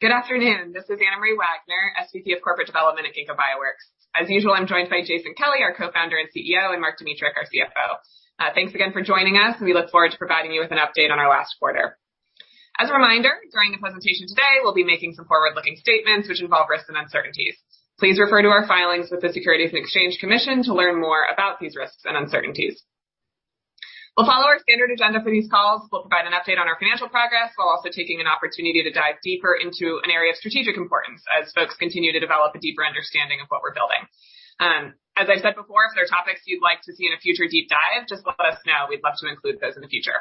Good afternoon. This is Anna Marie Wagner, SVP of Corporate Development at Ginkgo Bioworks. As usual, I'm joined by Jason Kelly, our co-founder and CEO, and Mark Dmytruk, our CFO. Thanks again for joining us, and we look forward to providing you with an update on our last quarter. As a reminder, during the presentation today, we'll be making some forward-looking statements which involve risks and uncertainties. Please refer to our filings with the Securities and Exchange Commission to learn more about these risks and uncertainties. We'll follow our standard agenda for these calls. We'll provide an update on our financial progress while also taking an opportunity to dive deeper into an area of strategic importance as folks continue to develop a deeper understanding of what we're building. As I said before, if there are topics you'd like to see in a future deep dive, just let us know. We'd love to include those in the future.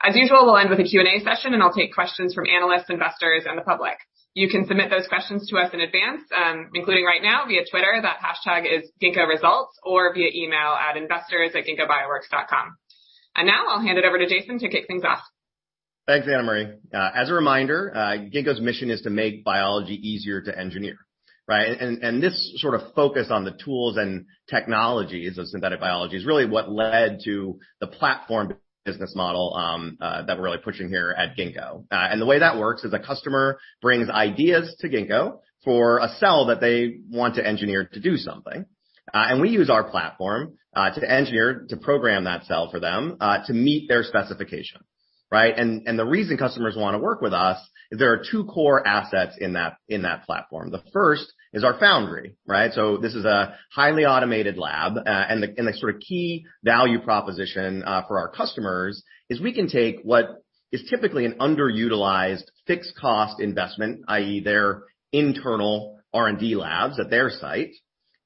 As usual, we'll end with a Q&A session, and I'll take questions from analysts, investors, and the public. You can submit those questions to us in advance, including right now via Twitter. That hashtag is Ginkgo Results, or via email at investors@ginkgobioworks.com. Now I'll hand it over to Jason to kick things off. Thanks, Anna Marie. As a reminder, Ginkgo's mission is to make biology easier to engineer, right? This sort of focus on the tools and technologies of synthetic biology is really what led to the platform business model that we're really pushing here at Ginkgo. The way that works is a customer brings ideas to Ginkgo for a cell that they want to engineer to do something. We use our platform to engineer, to program that cell for them to meet their specifications, right? The reason customers wanna work with us is there are two core assets in that platform. The first is our foundry, right? This is a highly automated lab, and the sort of key value proposition for our customers is we can take what is typically an underutilized fixed cost investment, i.e., their internal R&D labs at their site,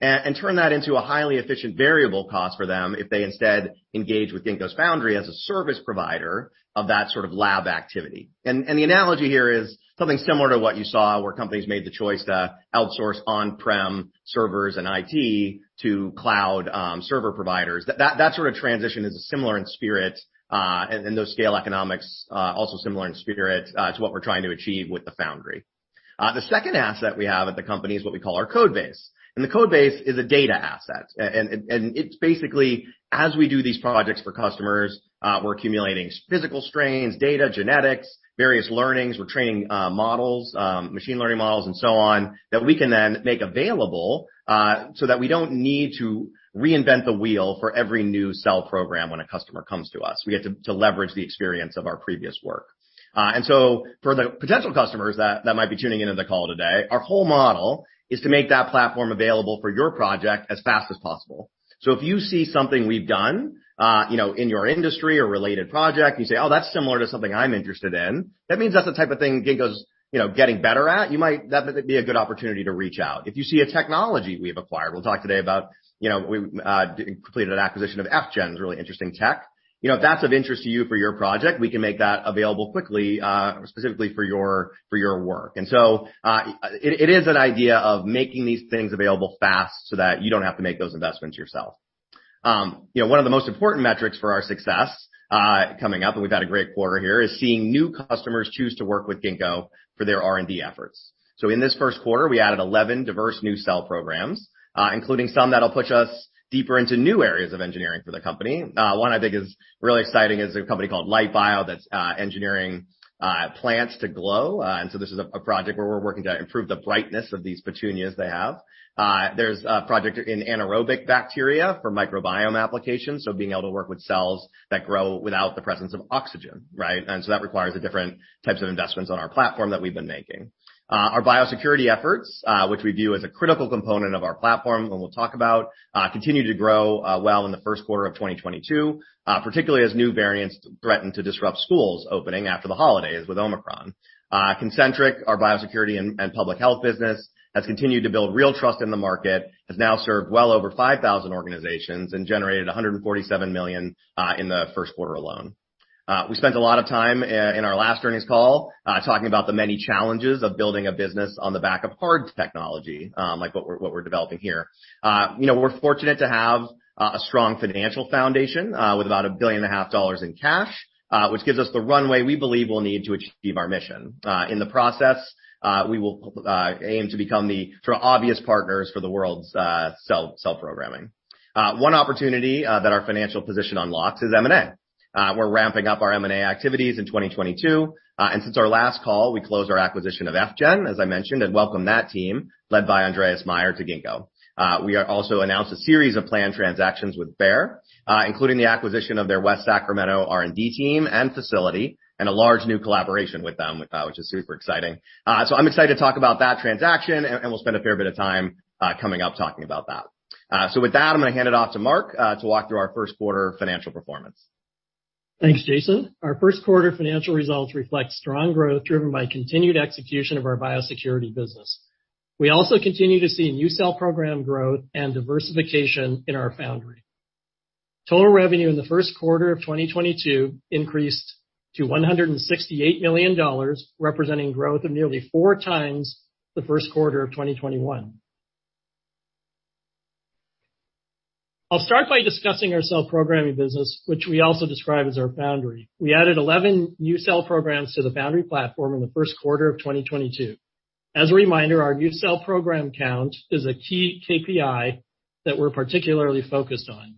and turn that into a highly efficient variable cost for them if they instead engage with Ginkgo's foundry as a service provider of that sort of lab activity. The analogy here is something similar to what you saw where companies made the choice to outsource on-prem servers and IT to cloud server providers. That sort of transition is similar in spirit, and those scale economics also similar in spirit to what we're trying to achieve with the foundry. The second asset we have at the company is what we call our code base, and the code base is a data asset. It's basically, as we do these projects for customers, we're accumulating physical strains, data, genetics, various learnings. We're training models, machine learning models and so on, that we can then make available, so that we don't need to reinvent the wheel for every new cell program when a customer comes to us. We get to leverage the experience of our previous work. For the potential customers that might be tuning into the call today, our whole model is to make that platform available for your project as fast as possible. If you see something we've done, you know, in your industry or related project, and you say, "Oh, that's similar to something I'm interested in," that means that's the type of thing Ginkgo's, you know, getting better at. You might. That might be a good opportunity to reach out. If you see a technology we have acquired, we'll talk today about, you know, we completed an acquisition of FGen's really interesting tech. You know, if that's of interest to you for your project, we can make that available quickly, specifically for your work. It is an idea of making these things available fast so that you don't have to make those investments yourself. You know, one of the most important metrics for our success, coming up, and we've had a great quarter here, is seeing new customers choose to work with Ginkgo for their R&D efforts. In this Q1, we added 11 diverse new cell programs, including some that'll push us deeper into new areas of engineering for the company. One I think is really exciting is a company called Light Bio that's engineering plants to glow. This is a project where we're working to improve the brightness of these petunias they have. There's a project in anaerobic bacteria for microbiome applications, so being able to work with cells that grow without the presence of oxygen, right? That requires the different types of investments on our platform that we've been making. Our biosecurity efforts, which we view as a critical component of our platform, and we'll talk about continue to grow well in the Q1 of 2022, particularly as new variants threaten to disrupt schools opening after the holidays with Omicron. Concentric, our biosecurity and public health business, has continued to build real trust in the market, has now served well over 5,000 organizations and generated $147 million in the Q1 alone. We spent a lot of time in our last earnings call talking about the many challenges of building a business on the back of hard technology like what we're developing here. You know, we're fortunate to have a strong financial foundation with about $1.5 billion in cash, which gives us the runway we believe we'll need to achieve our mission. In the process, we will aim to become the sort of obvious partners for the world's cell programming. One opportunity that our financial position unlocks is M&A. We're ramping up our M&A activities in 2022, and since our last call, we closed our acquisition of FGen, as I mentioned, and welcomed that team, led by Andreas Meyer, to Ginkgo. We also announced a series of planned transactions with Bayer, including the acquisition of their West Sacramento R&D team and facility and a large new collaboration with them, which is super exciting. I'm excited to talk about that transaction and we'll spend a fair bit of time coming up talking about that. With that, I'm gonna hand it off to Mark to walk through our Q1 financial performance. Thanks, Jason. Our Q1 financial results reflect strong growth driven by continued execution of our biosecurity business. We also continue to see new cell program growth and diversification in our foundry. Total revenue in the Q1 of 2022 increased to $168 million, representing growth of nearly four times the Q1 of 2021. I'll start by discussing our cell programming business, which we also describe as our foundry. We added 11 new cell programs to the foundry platform in the Q1 of 2022. As a reminder, our new cell program count is a key KPI that we're particularly focused on.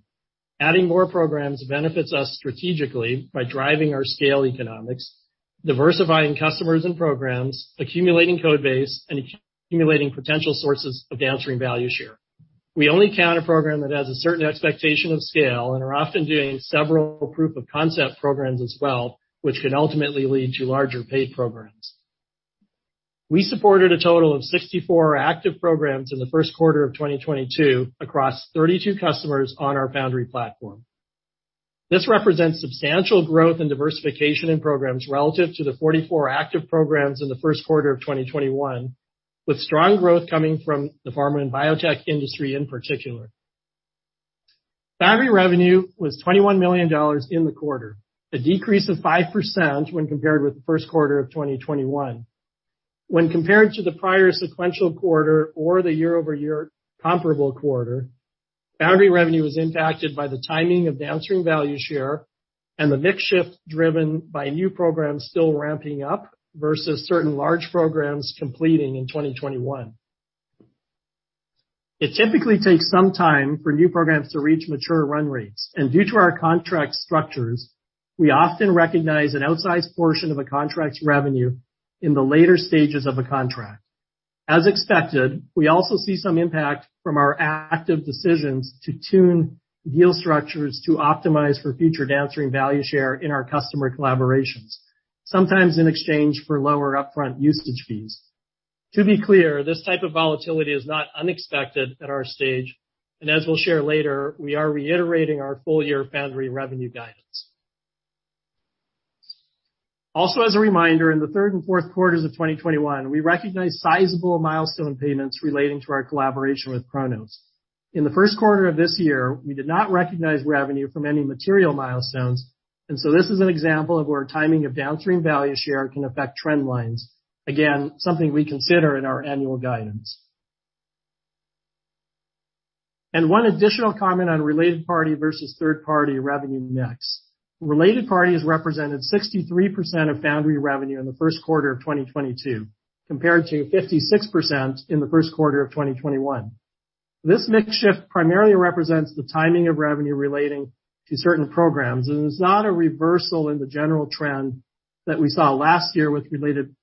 Adding more programs benefits us strategically by driving our scale economics, diversifying customers and programs, accumulating codebase, and accumulating potential sources of downstream value share. We only count a program that has a certain expectation of scale and are often doing several proof of concept programs as well, which can ultimately lead to larger paid programs. We supported a total of 64 active programs in the Q1 of 2022 across 32 customers on our foundry platform. This represents substantial growth and diversification in programs relative to the 44 active programs in the Q1 of 2021, with strong growth coming from the pharma and biotech industry in particular. Foundry revenue was $21 million in the quarter, a decrease of 5% when compared with the Q1 of 2021. When compared to the prior sequential quarter or the year-over-year comparable quarter, foundry revenue was impacted by the timing of downstream value share and the mix shift driven by new programs still ramping up versus certain large programs completing in 2021. It typically takes some time for new programs to reach mature run rates. Due to our contract structures, we often recognize an outsized portion of a contract's revenue in the later stages of a contract. As expected, we also see some impact from our active decisions to tune deal structures to optimize for future downstream value share in our customer collaborations, sometimes in exchange for lower upfront usage fees. To be clear, this type of volatility is not unexpected at our stage, and as we'll share later, we are reiterating our full-year foundry revenue guidance. Also as a reminder, in the third and fourth quarters of 2021, we recognized sizable milestone payments relating to our collaboration with Cronos. In the first quarter of this year, we did not recognize revenue from any material milestones, and so this is an example of where timing of downstream value share can affect trend lines. Again, something we consider in our annual guidance. One additional comment on related party versus third-party revenue mix. Related party has represented 63% of foundry revenue in the Q1 of 2022, compared to 56% in the first quarter of 2021. This mix shift primarily represents the timing of revenue relating to certain programs, and it is not a reversal in the general trend that we saw last year with related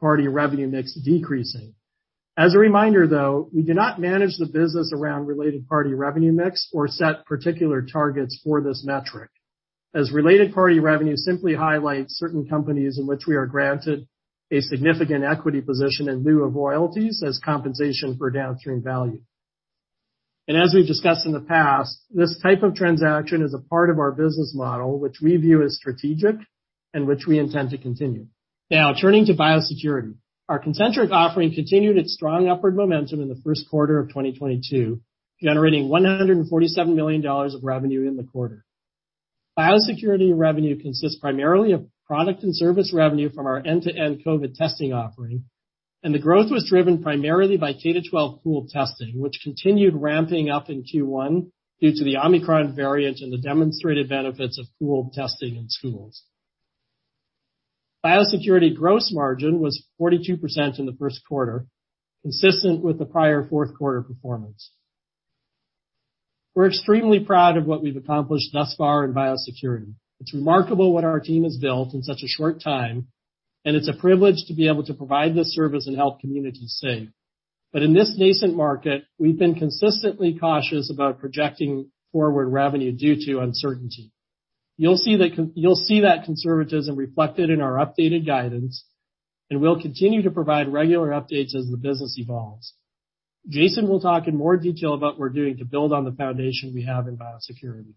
party revenue mix decreasing. As a reminder, though, we do not manage the business around related party revenue mix or set particular targets for this metric, as related party revenue simply highlights certain companies in which we are granted a significant equity position in lieu of royalties as compensation for downstream value. As we've discussed in the past, this type of transaction is a part of our business model, which we view as strategic and which we intend to continue. Now turning to biosecurity. Our Concentric offering continued its strong upward momentum in the Q1 of 2022, generating $147 million of revenue in the quarter. Biosecurity revenue consists primarily of product and service revenue from our end-to-end COVID testing offering, and the growth was driven primarily by K-12 pool testing, which continued ramping up in Q1 due to the Omicron variant and the demonstrated benefits of pool testing in schools. Biosecurity gross margin was 42% in the Q1, consistent with the prior Q4 performance. We're extremely proud of what we've accomplished thus far in biosecurity. It's remarkable what our team has built in such a short time, and it's a privilege to be able to provide this service and help communities stay safe. In this nascent market, we've been consistently cautious about projecting forward revenue due to uncertainty. You'll see that conservatism reflected in our updated guidance, and we'll continue to provide regular updates as the business evolves. Jason will talk in more detail about what we're doing to build on the foundation we have in biosecurity.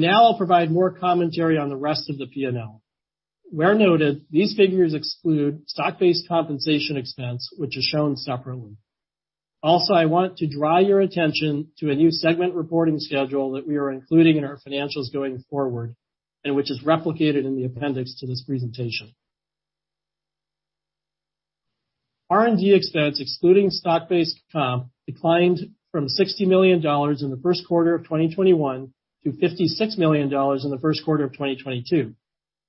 Now I'll provide more commentary on the rest of the P&L. Where noted, these figures exclude stock-based compensation expense, which is shown separately. Also, I want to draw your attention to a new segment reporting schedule that we are including in our financials going forward and which is replicated in the appendix to this presentation. R&D expense excluding stock-based comp declined from $60 million in the Q1 of 2021 to $56 million in the Q1 of 2022.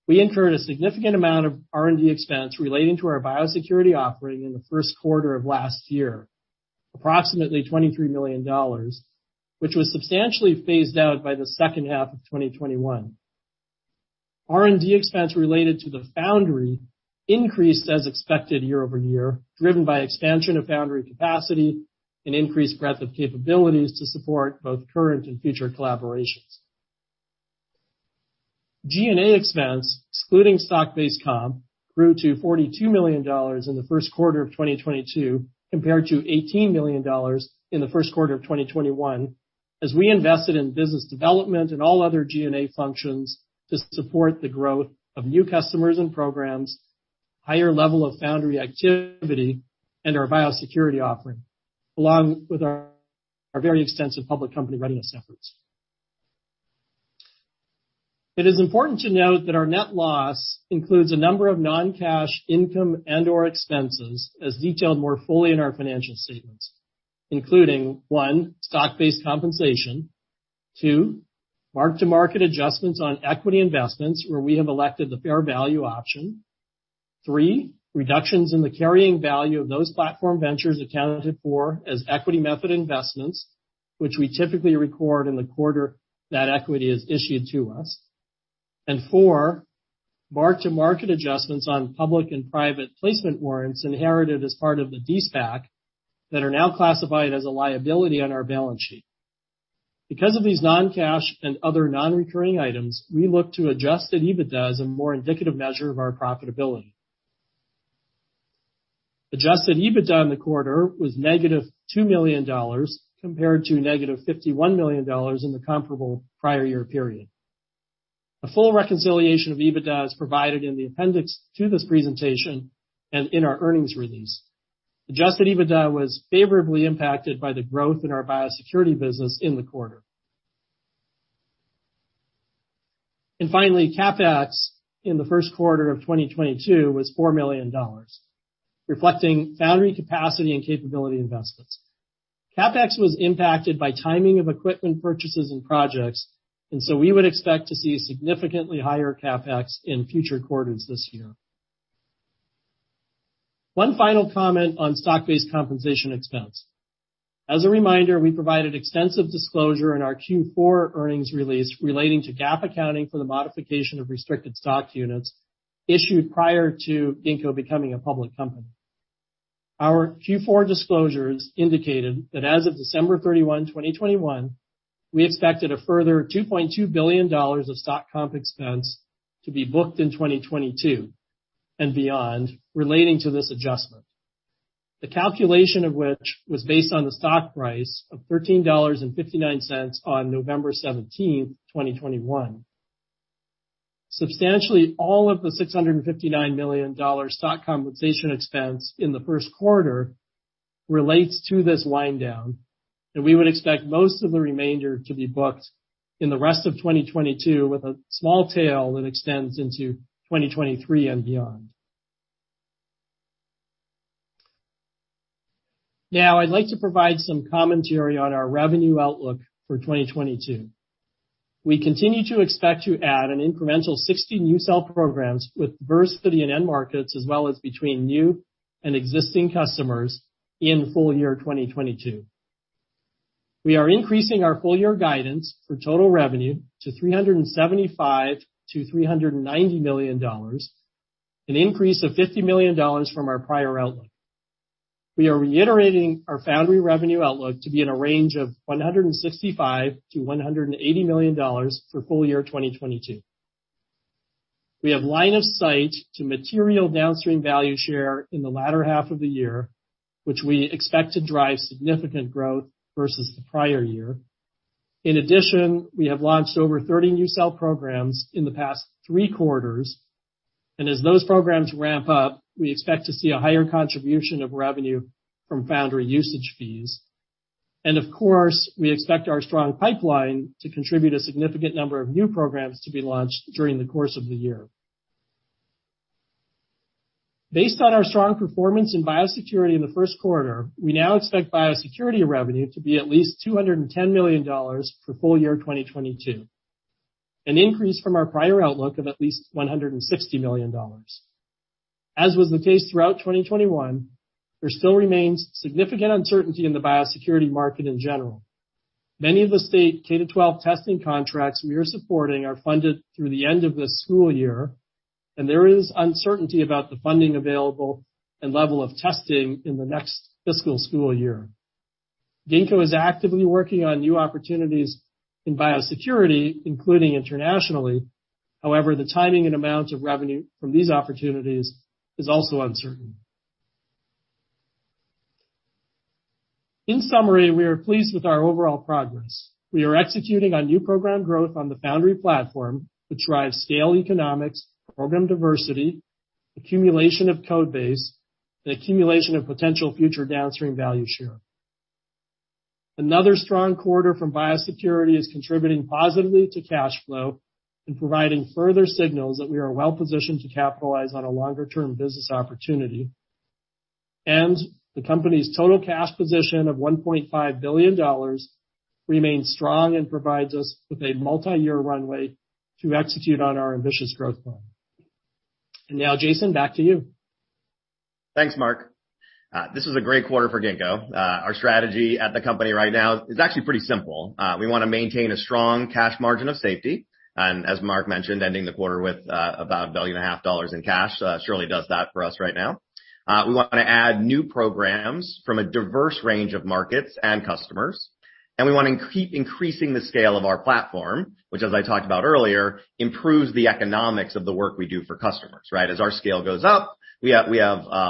We incurred a significant amount of R&D expense relating to our biosecurity offering in the Q1 of last year, approximately $23 million, which was substantially phased out by the second half of 2021. R&D expense related to the foundry increased as expected year-over-year, driven by expansion of foundry capacity and increased breadth of capabilities to support both current and future collaborations. G&A expense excluding stock-based comp grew to $42 million in the Q1 of 2022 compared to $18 million in the Q1 of 2021, as we invested in business development and all other G&A functions to support the growth of new customers and programs, higher level of foundry activity, and our biosecurity offering, along with our very extensive public company readiness efforts. It is important to note that our net loss includes a number of non-cash income and/or expenses as detailed more fully in our financial statements, including, one, stock-based compensation, two, mark-to-market adjustments on equity investments where we have elected the fair value option. Three, reductions in the carrying value of those Platform Ventures accounted for as equity method investments, which we typically record in the quarter that equity is issued to us. Four, mark-to-market adjustments on public and private placement warrants inherited as part of the de-SPAC that are now classified as a liability on our balance sheet. Because of these non-cash and other non-recurring items, we look to Adjusted EBITDA as a more indicative measure of our profitability. Adjusted EBITDA in the quarter was negative $2 million compared to negative $51 million in the comparable prior year period. A full reconciliation of EBITDA is provided in the appendix to this presentation and in our earnings release. Adjusted EBITDA was favorably impacted by the growth in our biosecurity business in the quarter. Finally, CapEx in the Q1 of 2022 was $4 million, reflecting foundry capacity and capability investments. CapEx was impacted by timing of equipment purchases and projects, and so we would expect to see significantly higher CapEx in future quarters this year. One final comment on stock-based compensation expense. As a reminder, we provided extensive disclosure in our Q4 earnings release relating to GAAP accounting for the modification of restricted stock units issued prior to Ginkgo becoming a public company. Our Q4 disclosures indicated that as of December 31, 2021, we expected a further $2.2 billion of stock comp expense to be booked in 2022 and beyond relating to this adjustment, the calculation of which was based on the stock price of $13.59 on November 17, 2021. Substantially all of the $659 million stock compensation expense in the Q1 relates to this liability, and we would expect most of the remainder to be booked in the rest of 2022 with a small tail that extends into 2023 and beyond. Now I'd like to provide some commentary on our revenue outlook for 2022. We continue to expect to add an incremental 60 new cell programs with diversity in end markets as well as between new and existing customers in full year 2022. We are increasing our full year guidance for total revenue to $375-$390 million, an increase of $50 million from our prior outlook. We are reiterating our Foundry revenue outlook to be in a range of $165-$180 million for full year 2022. We have line of sight to material downstream value share in the latter half of the year, which we expect to drive significant growth versus the prior year. In addition, we have launched over 30 new cell programs in the past three quarters, and as those programs ramp up, we expect to see a higher contribution of revenue from foundry usage fees. Of course, we expect our strong pipeline to contribute a significant number of new programs to be launched during the course of the year. Based on our strong performance in biosecurity in the Q1, we now expect biosecurity revenue to be at least $210 million for full year 2022, an increase from our prior outlook of at least $160 million. As was the case throughout 2021, there still remains significant uncertainty in the biosecurity market in general. Many of the state K-12 testing contracts we are supporting are funded through the end of this school year, and there is uncertainty about the funding available and level of testing in the next fiscal school year. Ginkgo is actively working on new opportunities in biosecurity, including internationally. However, the timing and amounts of revenue from these opportunities is also uncertain. In summary, we are pleased with our overall progress. We are executing on new program growth on the foundry platform to drive scale economics, program diversity, accumulation of code base, and accumulation of potential future downstream value share. Another strong quarter from biosecurity is contributing positively to cash flow and providing further signals that we are well-positioned to capitalize on a longer-term business opportunity. The company's total cash position of $1.5 billion remains strong and provides us with a multi-year runway to execute on our ambitious growth plan. Now, Jason, back to you. Thanks, Mark. This is a great quarter for Ginkgo. Our strategy at the company right now is actually pretty simple. We wanna maintain a strong cash margin of safety, and as Mark mentioned, ending the quarter with about $1.5 billion in cash surely does that for us right now. We wanna add new programs from a diverse range of markets and customers, and we wanna keep increasing the scale of our platform, which as I talked about earlier, improves the economics of the work we do for customers, right? As our scale goes up, we have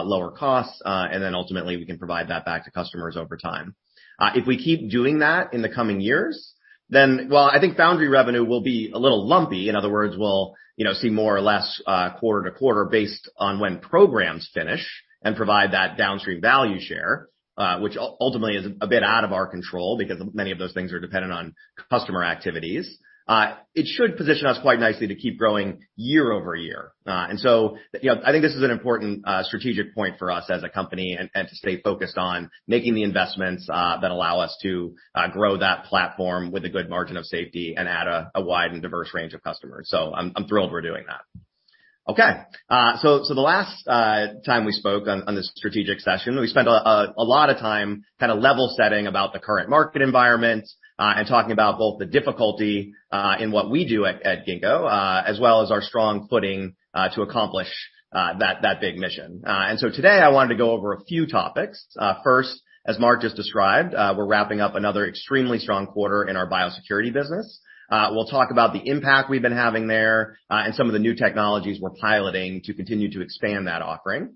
lower costs, and then ultimately, we can provide that back to customers over time. If we keep doing that in the coming years, then, well, I think foundry revenue will be a little lumpy. In other words, we'll, you know, see more or less quarter-to-quarter based on when programs finish and provide that downstream value share, which ultimately is a bit out of our control because many of those things are dependent on customer activities. It should position us quite nicely to keep growing year-over-year. You know, I think this is an important strategic point for us as a company and to stay focused on making the investments that allow us to grow that platform with a good margin of safety and add a wide and diverse range of customers. I'm thrilled we're doing that. Okay. The last time we spoke on this strategic session, we spent a lot of time kinda level-setting about the current market environment, and talking about both the difficulty in what we do at Ginkgo, as well as our strong footing to accomplish that big mission. Today I wanted to go over a few topics. First, as Mark just described, we're wrapping up another extremely strong quarter in our biosecurity business. We'll talk about the impact we've been having there, and some of the new technologies we're piloting to continue to expand that offering.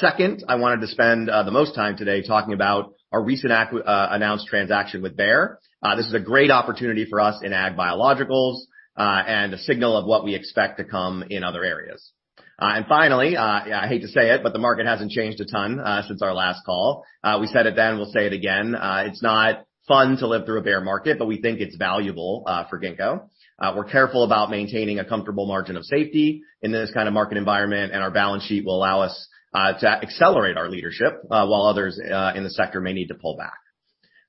Second, I wanted to spend the most time today talking about our recent announced transaction with Bayer. This is a great opportunity for us in ag biologicals, and a signal of what we expect to come in other areas. Finally, I hate to say it, but the market hasn't changed a ton since our last call. We said it then, we'll say it again, it's not fun to live through a bear market, but we think it's valuable for Ginkgo. We're careful about maintaining a comfortable margin of safety in this kind of market environment, and our balance sheet will allow us to accelerate our leadership while others in the sector may need to pull back.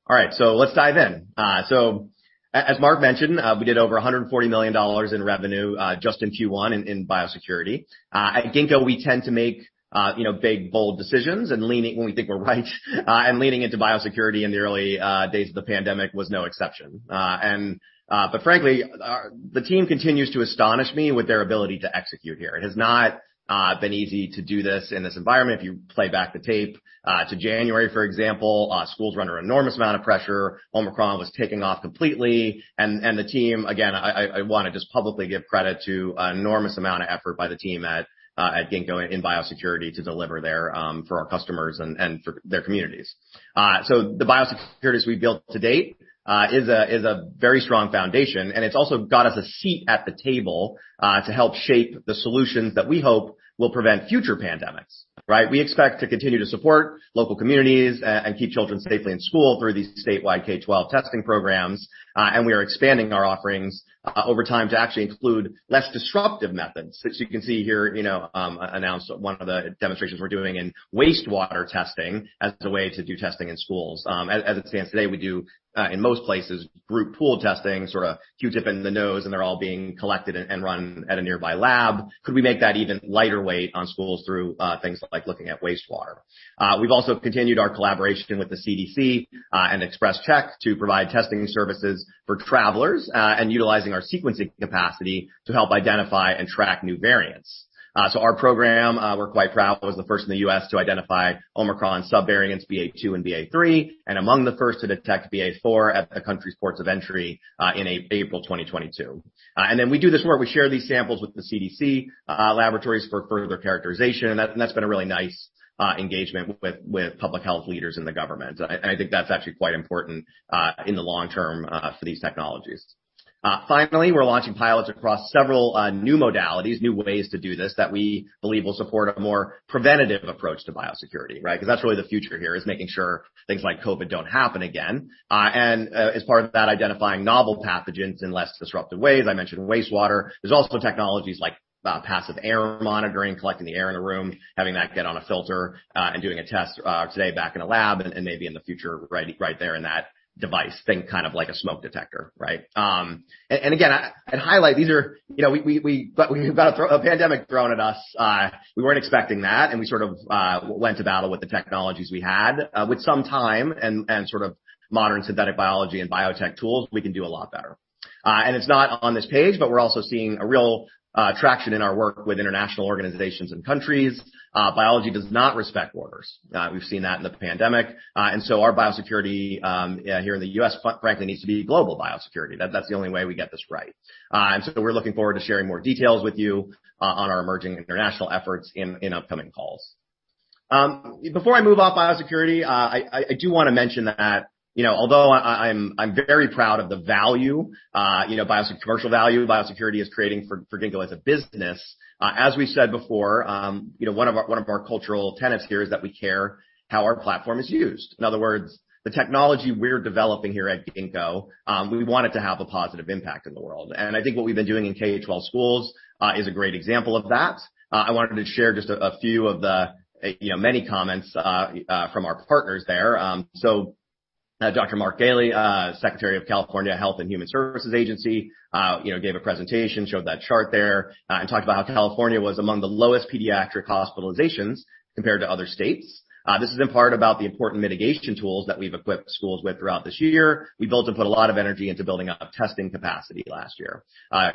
All right, let's dive in. As Mark mentioned, we did over $140 million in revenue just in Q1 in biosecurity. At Ginkgo, we tend to make, you know, big, bold decisions and leaning when we think we're right. Leaning into biosecurity in the early days of the pandemic was no exception. Frankly, the team continues to astonish me with their ability to execute here. It has not been easy to do this in this environment. If you play back the tape to January, for example, schools were under enormous amount of pressure, Omicron was taking off completely, and the team, again, I wanna just publicly give credit to an enormous amount of effort by the team at Ginkgo in biosecurity to deliver there for our customers and for their communities. The biosecurity we built to date is a very strong foundation, and it's also got us a seat at the table to help shape the solutions that we hope will prevent future pandemics, right? We expect to continue to support local communities and keep children safely in school through these statewide K-12 testing programs. We are expanding our offerings over time to actually include less disruptive methods. As you can see here, you know, announce one of the demonstrations we're doing in wastewater testing as a way to do testing in schools. As it stands today, we do in most places group pooled testing, sort of Q-tip in the nose, and they're all being collected and run at a nearby lab. Could we make that even lighter weight on schools through things like looking at wastewater? We've also continued our collaboration with the CDC and XpresCheck to provide testing services for travelers and utilizing our sequencing capacity to help identify and track new variants. Our program, we're quite proud, was the first in the U.S. to identify Omicron subvariants BA.2 and BA.3, and among the first to detect BA.4 at the country's ports of entry in April 2022. We do this where we share these samples with the CDC laboratories for further characterization. That's been a really nice engagement with public health leaders in the government. I think that's actually quite important in the long term for these technologies. Finally, we're launching pilots across several new modalities, new ways to do this that we believe will support a more preventative approach to biosecurity, right? 'Cause that's really the future here, is making sure things like COVID don't happen again. As part of that, identifying novel pathogens in less disruptive ways. I mentioned wastewater. There's also technologies like passive air monitoring, collecting the air in a room, having that get on a filter and doing a test today back in a lab and maybe in the future right there in that device. Think kind of like a smoke detector, right? Again, I'd highlight these are. We've got a pandemic thrown at us. We weren't expecting that, and we sort of went to battle with the technologies we had. With some time and sort of modern synthetic biology and biotech tools, we can do a lot better. It's not on this page, but we're also seeing a real traction in our work with international organizations and countries. Biology does not respect borders. We've seen that in the pandemic. Our biosecurity here in the U.S. frankly needs to be global biosecurity. That's the only way we get this right. We're looking forward to sharing more details with you on our emerging international efforts in upcoming calls. Before I move off biosecurity, I do wanna mention that, you know, although I'm very proud of the value, you know, commercial value biosecurity is creating for Ginkgo as a business, as we said before, you know, one of our cultural tenets here is that we care how our platform is used. In other words, the technology we're developing here at Ginkgo, we want it to have a positive impact in the world. I think what we've been doing in K-12 schools is a great example of that. I wanted to share just a few of the, you know, many comments from our partners there. Dr. Mark Ghaly, Secretary of California Health and Human Services Agency, you know, gave a presentation, showed that chart there, and talked about how California was among the lowest pediatric hospitalizations compared to other states. This is in part about the important mitigation tools that we've equipped schools with throughout this year. We built and put a lot of energy into building up testing capacity last year.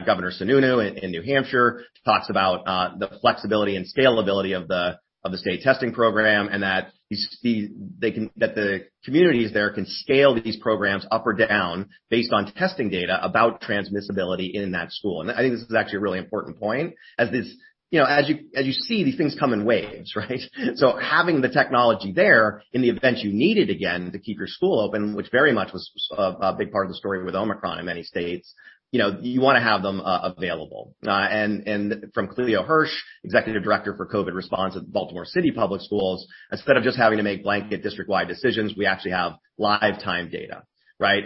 Governor Sununu in New Hampshire talks about the flexibility and scalability of the state testing program and that you see that the communities there can scale these programs up or down based on testing data about transmissibility in that school. I think this is actually a really important point as you see these things come in waves, right? Having the technology there in the event you need it again to keep your school open, which very much was a big part of the story with Omicron in many states, you know, you wanna have them available. From Cleo Hirsch, Executive Director for COVID Response at Baltimore City Public Schools, instead of just having to make blanket district-wide decisions, we actually have real-time data. Right?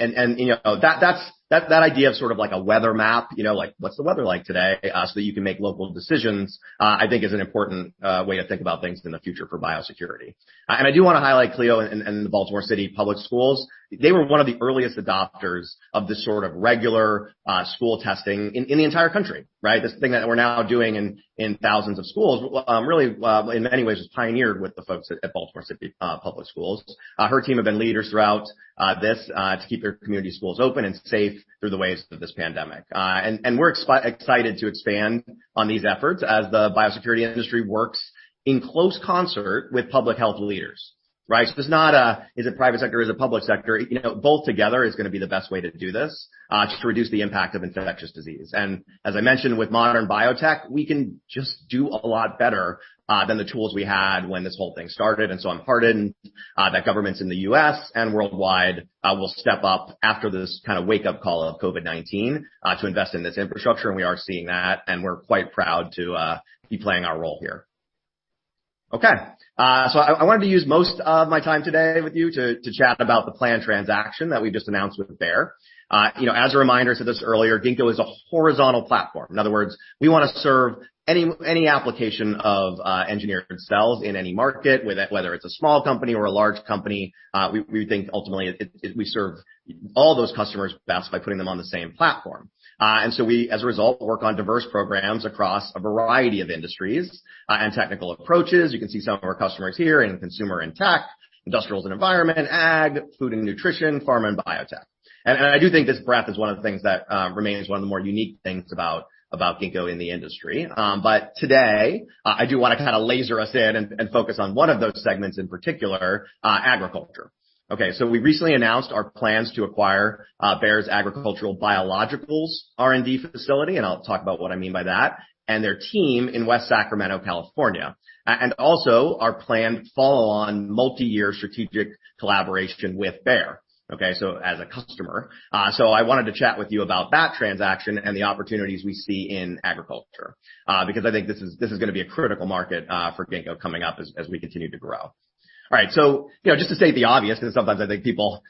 That idea of sort of like a weather map, you know, like, what's the weather like today, so that you can make local decisions, I think is an important way to think about things in the future for biosecurity. I do wanna highlight Cleo and the Baltimore City Public Schools. They were one of the earliest adopters of this sort of regular school testing in the entire country, right? This thing that we're now doing in thousands of schools really, in many ways, was pioneered with the folks at Baltimore City Public Schools. Her team have been leaders throughout this to keep their community schools open and safe through the waves of this pandemic. We're excited to expand on these efforts as the biosecurity industry works in close concert with public health leaders, right? It's not a, is it private sector, is it public sector? You know, both together is gonna be the best way to do this to reduce the impact of infectious disease. As I mentioned with modern biotech, we can just do a lot better than the tools we had when this whole thing started, and so I'm heartened that governments in the U.S. and worldwide will step up after this kinda wake-up call of COVID-19 to invest in this infrastructure, and we are seeing that, and we're quite proud to be playing our role here. Okay, I wanted to use most of my time today with you to chat about the planned transaction that we just announced with Bayer. You know, as a reminder to this earlier, Ginkgo is a horizontal platform. In other words, we wanna serve any application of engineered cells in any market, whether it's a small company or a large company, we think ultimately it. We serve all those customers best by putting them on the same platform. We, as a result, work on diverse programs across a variety of industries, and technical approaches. You can see some of our customers here in consumer and tech, industrials and environment, ag, food and nutrition, pharma and biotech. I do think this breadth is one of the things that remains one of the more unique things about about Ginkgo in the industry. Today I do wanna kinda laser us in and focus on one of those segments in particular, agriculture. Okay, we recently announced our plans to acquire Bayer's Agricultural Biologicals R&D facility, and I'll talk about what I mean by that, and their team in West Sacramento, California, also our planned follow-on multi-year strategic collaboration with Bayer, okay? As a customer, I wanted to chat with you about that transaction and the opportunities we see in agriculture, because I think this is gonna be a critical market for Ginkgo coming up as we continue to grow. All right. You know, just to state the obvious 'cause sometimes I think people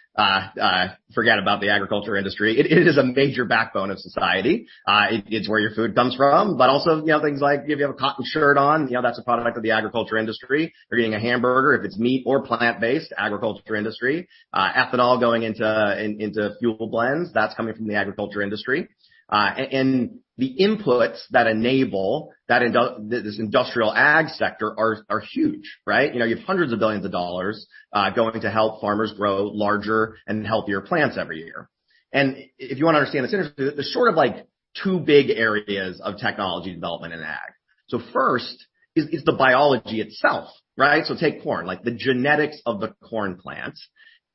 forget about the agriculture industry. It is a major backbone of society. It's where your food comes from, but also, you know, things like if you have a cotton shirt on, you know, that's a product of the agriculture industry. If you're eating a hamburger, if it's meat or plant-based, agriculture industry. Ethanol going into fuel blends, that's coming from the agriculture industry. And the inputs that enable that industrial ag sector are huge, right? You know, you have hundreds of billions of dollars going to help farmers grow larger and healthier plants every year. If you wanna understand this industry, there's sort of like two big areas of technology development in ag. First is the biology itself, right? Take corn, like the genetics of the corn plant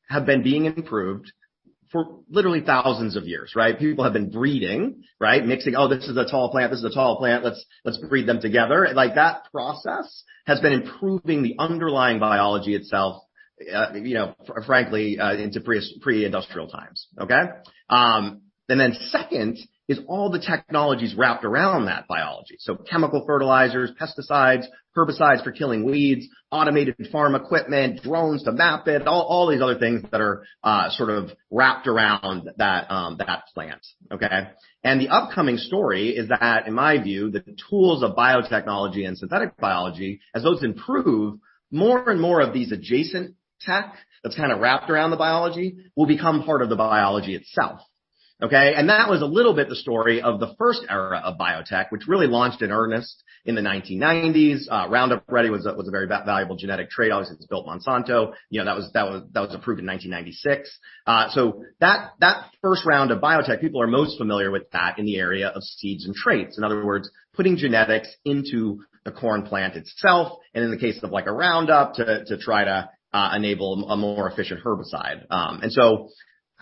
have been being improved for literally thousands of years, right? People have been breeding, right? Mixing, oh, this is a tall plant, this is a tall plant, let's breed them together. Like, that process has been improving the underlying biology itself, you know, frankly, into pre-industrial times, okay? Then second is all the technologies wrapped around that biology. Chemical fertilizers, pesticides, herbicides for killing weeds, automated farm equipment, drones to map it, all these other things that are sort of wrapped around that plant, okay? The upcoming story is that, in my view, the tools of biotechnology and synthetic biology, as those improve, more and more of these adjacent tech that's kinda wrapped around the biology will become part of the biology itself, okay? That was a little bit the story of the first era of biotech, which really launched in earnest in the 1990s. Roundup Ready was a very valuable genetic trait. Obviously, it built Monsanto. You know, that was approved in 1996. That first round of biotech, people are most familiar with that in the area of seeds and traits. In other words, putting genetics into the corn plant itself, and in the case of like a Roundup, to try to enable a more efficient herbicide.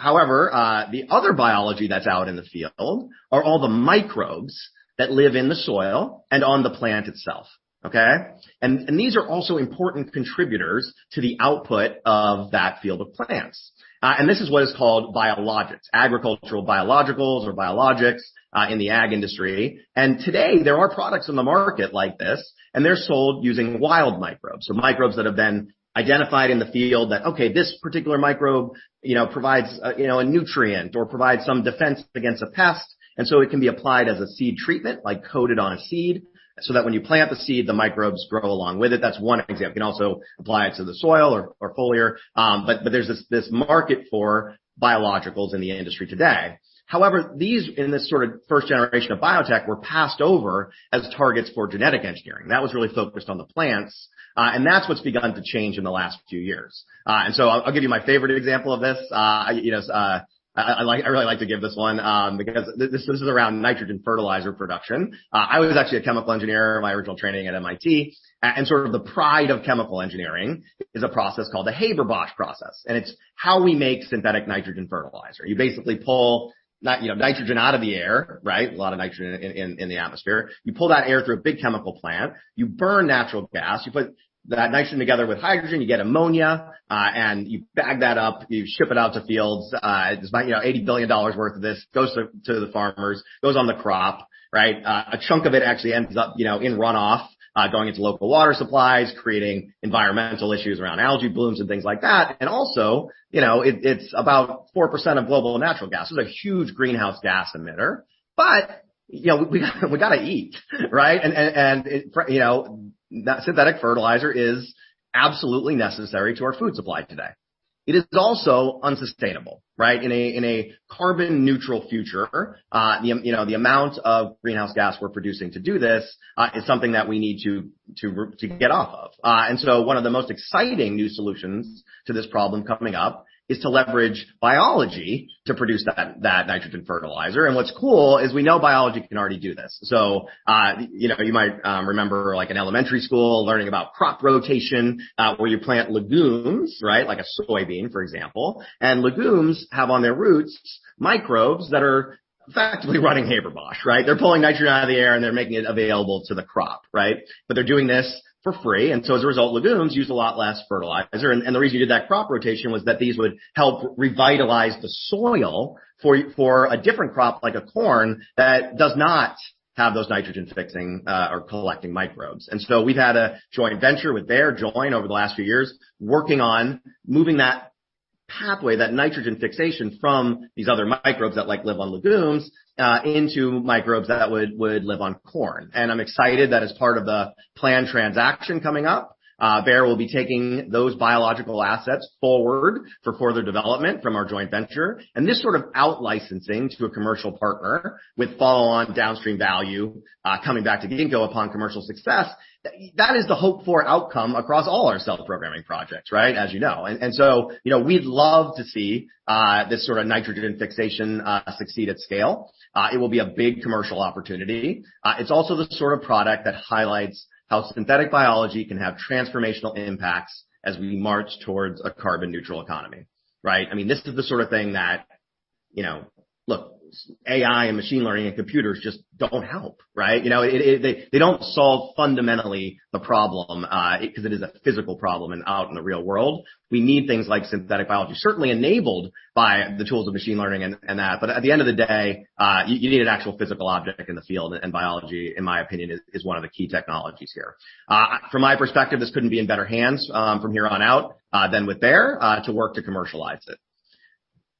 However, the other biology that's out in the field are all the microbes that live in the soil and on the plant itself, okay? These are also important contributors to the output of that field of plants. This is what is called biologics, agricultural biologicals or biologics, in the ag industry. Today, there are products on the market like this, and they're sold using wild microbes, so microbes that have been identified in the field that, okay, this particular microbe, you know, provides, you know, a nutrient or provides some defense against a pest, and so it can be applied as a seed treatment, like coated on a seed, so that when you plant the seed, the microbes grow along with it. That's one example. You can also apply it to the soil or foliar. There's this market for biologicals in the industry today. However, these, in this sort of first generation of biotech, were passed over as targets for genetic engineering. That was really focused on the plants, and that's what's begun to change in the last few years. I'll give you my favorite example of this. I really like to give this one, because this is around nitrogen fertilizer production. I was actually a chemical engineer in my original training at MIT, and sort of the pride of chemical engineering is a process called the Haber-Bosch process, and it's how we make synthetic nitrogen fertilizer. You basically pull nitrogen out of the air, right? A lot of nitrogen in the atmosphere. You pull that air through a big chemical plant. You burn natural gas. You put that nitrogen together with hydrogen. You get ammonia, and you bag that up, you ship it out to fields. It's about, you know, $80 billion worth of this goes to the farmers, goes on the crop, right? A chunk of it actually ends up, you know, in runoff, going into local water supplies, creating environmental issues around algae blooms and things like that. Also, you know, it's about 4% of global natural gas. It's a huge greenhouse gas emitter, but you know, we gotta eat, right? That synthetic fertilizer is absolutely necessary to our food supply today. It is also unsustainable, right? In a carbon neutral future, you know, the amount of greenhouse gas we're producing to do this is something that we need to get off. One of the most exciting new solutions to this problem coming up is to leverage biology to produce that nitrogen fertilizer. What's cool is we know biology can already do this. You know, you might remember like in elementary school learning about crop rotation, where you plant legumes, right? Like a soybean, for example. Legumes have on their roots microbes that are effectively running Haber-Bosch, right? They're pulling nitrogen out of the air, and they're making it available to the crop, right? But they're doing this for free, and so as a result, legumes use a lot less fertilizer. The reason you did that crop rotation was that these would help revitalize the soil for a different crop, like a corn, that does not have those nitrogen fixing or collecting microbes. We've had a joint venture with Joyn Bio over the last few years working on moving that pathway, that nitrogen fixation from these other microbes that like live on legumes, into microbes that would live on corn. I'm excited that as part of the planned transaction coming up, Bayer will be taking those biological assets forward for further development from our joint venture. This sort of out-licensing to a commercial partner with follow-on downstream value coming back to Ginkgo upon commercial success, that is the hope for outcome across all our cell programming projects, right, as you know. You know, we'd love to see this sort of nitrogen fixation succeed at scale. It will be a big commercial opportunity. It's also the sort of product that highlights how synthetic biology can have transformational impacts as we march towards a carbon neutral economy, right? I mean, this is the sort of thing that, you know, look, AI and machine learning and computers just don't help, right? You know, they don't solve fundamentally the problem, 'cause it is a physical problem and out in the real world. We need things like synthetic biology, certainly enabled by the tools of machine learning and that. At the end of the day, you need an actual physical object in the field, and biology, in my opinion, is one of the key technologies here. From my perspective, this couldn't be in better hands, from here on out, than with Bayer to work to commercialize it.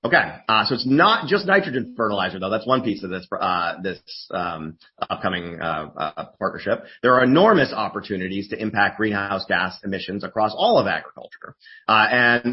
Okay, it's not just nitrogen fertilizer, though. That's one piece of this upcoming partnership. There are enormous opportunities to impact greenhouse gas emissions across all of agriculture.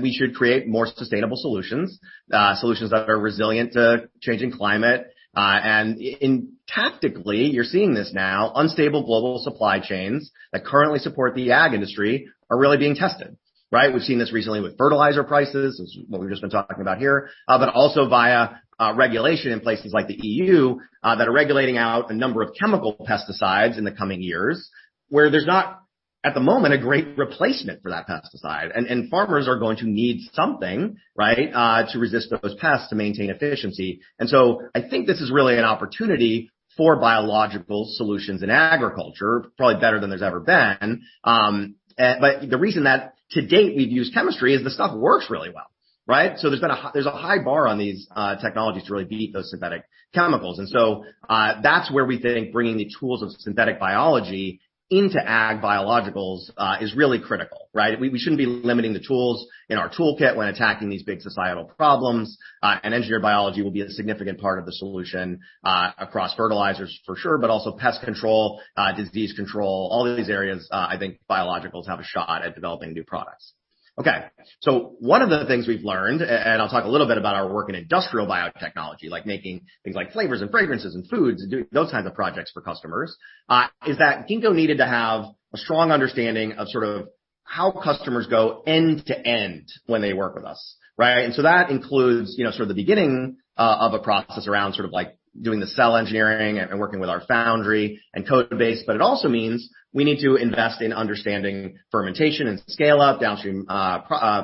We should create more sustainable solutions that are resilient to changing climate. In fact, you're seeing this now, unstable global supply chains that currently support the ag industry are really being tested, right? We've seen this recently with fertilizer prices. It's what we've just been talking about here. But also via regulation in places like the E.U. that are regulating out a number of chemical pesticides in the coming years, where there's not at the moment a great replacement for that pesticide. Farmers are going to need something, right, to resist those pests to maintain efficiency. I think this is really an opportunity for biological solutions in agriculture, probably better than there's ever been. But the reason that to date we've used chemistry is the stuff works really well, right? There's a high bar on these technologies to really beat those synthetic chemicals. That's where we think bringing the tools of synthetic biology into ag biologicals is really critical, right? We shouldn't be limiting the tools in our toolkit when attacking these big societal problems. Engineered biology will be a significant part of the solution across fertilizers for sure, but also pest control, disease control, all of these areas. I think biologicals have a shot at developing new products. Okay, one of the things we've learned, and I'll talk a little bit about our work in industrial biotechnology, like making things like flavors and fragrances and foods and doing those types of projects for customers, is that Ginkgo needed to have a strong understanding of sort of how customers go end to end when they work with us, right? That includes, you know, sort of the beginning of a process around sort of like doing the cell engineering and working with our foundry and codebase. It also means we need to invest in understanding fermentation and scale up, downstream,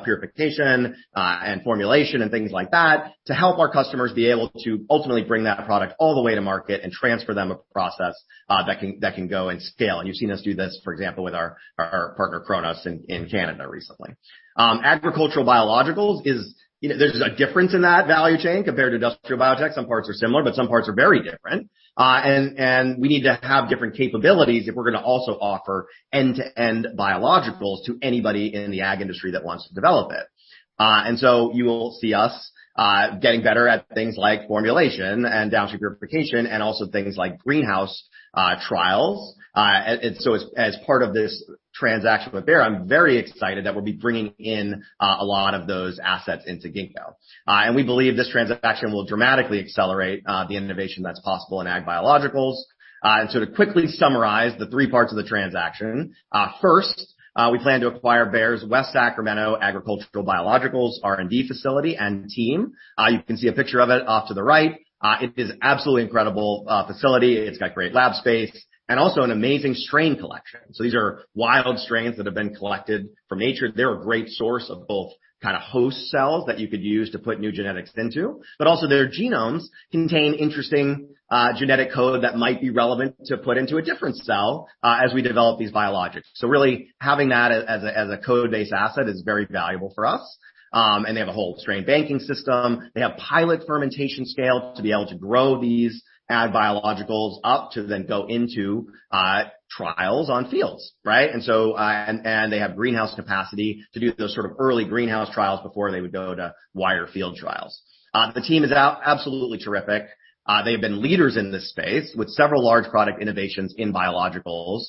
purification, and formulation and things like that to help our customers be able to ultimately bring that product all the way to market and transfer them a process that can go and scale. You've seen us do this, for example, with our partner Cronos in Canada recently. Agricultural biologicals is, you know, there's a difference in that value chain compared to industrial biotech. Some parts are similar, but some parts are very different. We need to have different capabilities if we're gonna also offer end-to-end biologicals to anybody in the ag industry that wants to develop it. You'll see us getting better at things like formulation and downstream purification and also things like greenhouse trials. As part of this transaction with Bayer, I'm very excited that we'll be bringing in a lot of those assets into Ginkgo. We believe this transaction will dramatically accelerate the innovation that's possible in ag biologicals. To quickly summarize the three parts of the transaction. First, we plan to acquire Bayer's West Sacramento Agricultural Biologicals R&D facility and team. You can see a picture of it off to the right. It is absolutely incredible facility. It's got great lab space and also an amazing strain collection. These are wild strains that have been collected from nature. They're a great source of both kinda host cells that you could use to put new genetics into. Also their genomes contain interesting genetic code that might be relevant to put into a different cell as we develop these biologics. Really having that as a codebase asset is very valuable for us. They have a whole strain banking system. They have pilot fermentation scale to be able to grow these ag biologicals up to then go into field trials, right? They have greenhouse capacity to do those sort of early greenhouse trials before they would go to wider field trials. The team is absolutely terrific. They have been leaders in this space with several large product innovations in biologicals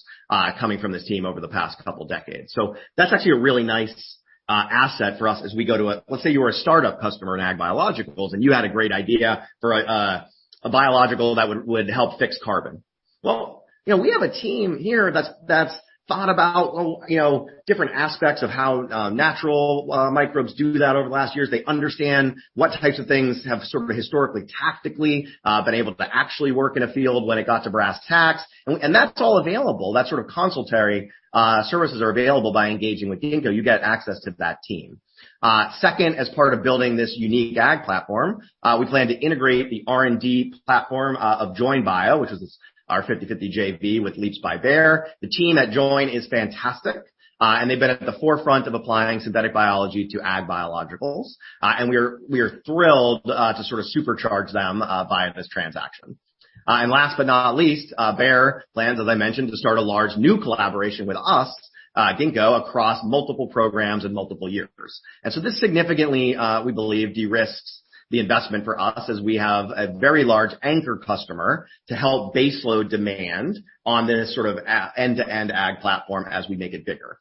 coming from this team over the past couple decades. That's actually a really nice asset for us as we go to, let's say you were a startup customer in ag biologicals, and you had a great idea for a biological that would help fix carbon. Well, you know, we have a team here that's thought about, well, you know, different aspects of how natural microbes do that over the last years. They understand what types of things have sort of historically, tactically, been able to actually work in a field when it got to brass tacks, and that's all available. That sort of consultancy services are available by engaging with Ginkgo. You get access to that team. Second, as part of building this unique ag platform, we plan to integrate the R&D platform of Joyn Bio, which is our 50/50 JV with Leaps by Bayer. The team at Joyn Bio is fantastic, and they've been at the forefront of applying synthetic biology to ag biologicals. We're thrilled to sort of supercharge them via this transaction. Last but not least, Bayer plans, as I mentioned, to start a large new collaboration with us, Ginkgo, across multiple programs and multiple years. This significantly, we believe, de-risks the investment for us as we have a very large anchor customer to help baseload demand on this sort of end-to-end ag platform as we make it bigger.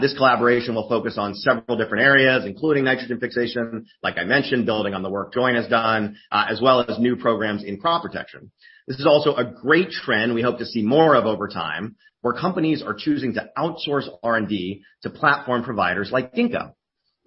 This collaboration will focus on several different areas, including nitrogen fixation, like I mentioned, building on the work Joyn Bio has done, as well as new programs in crop protection. This is also a great trend we hope to see more of over time, where companies are choosing to outsource R&D to platform providers like Ginkgo,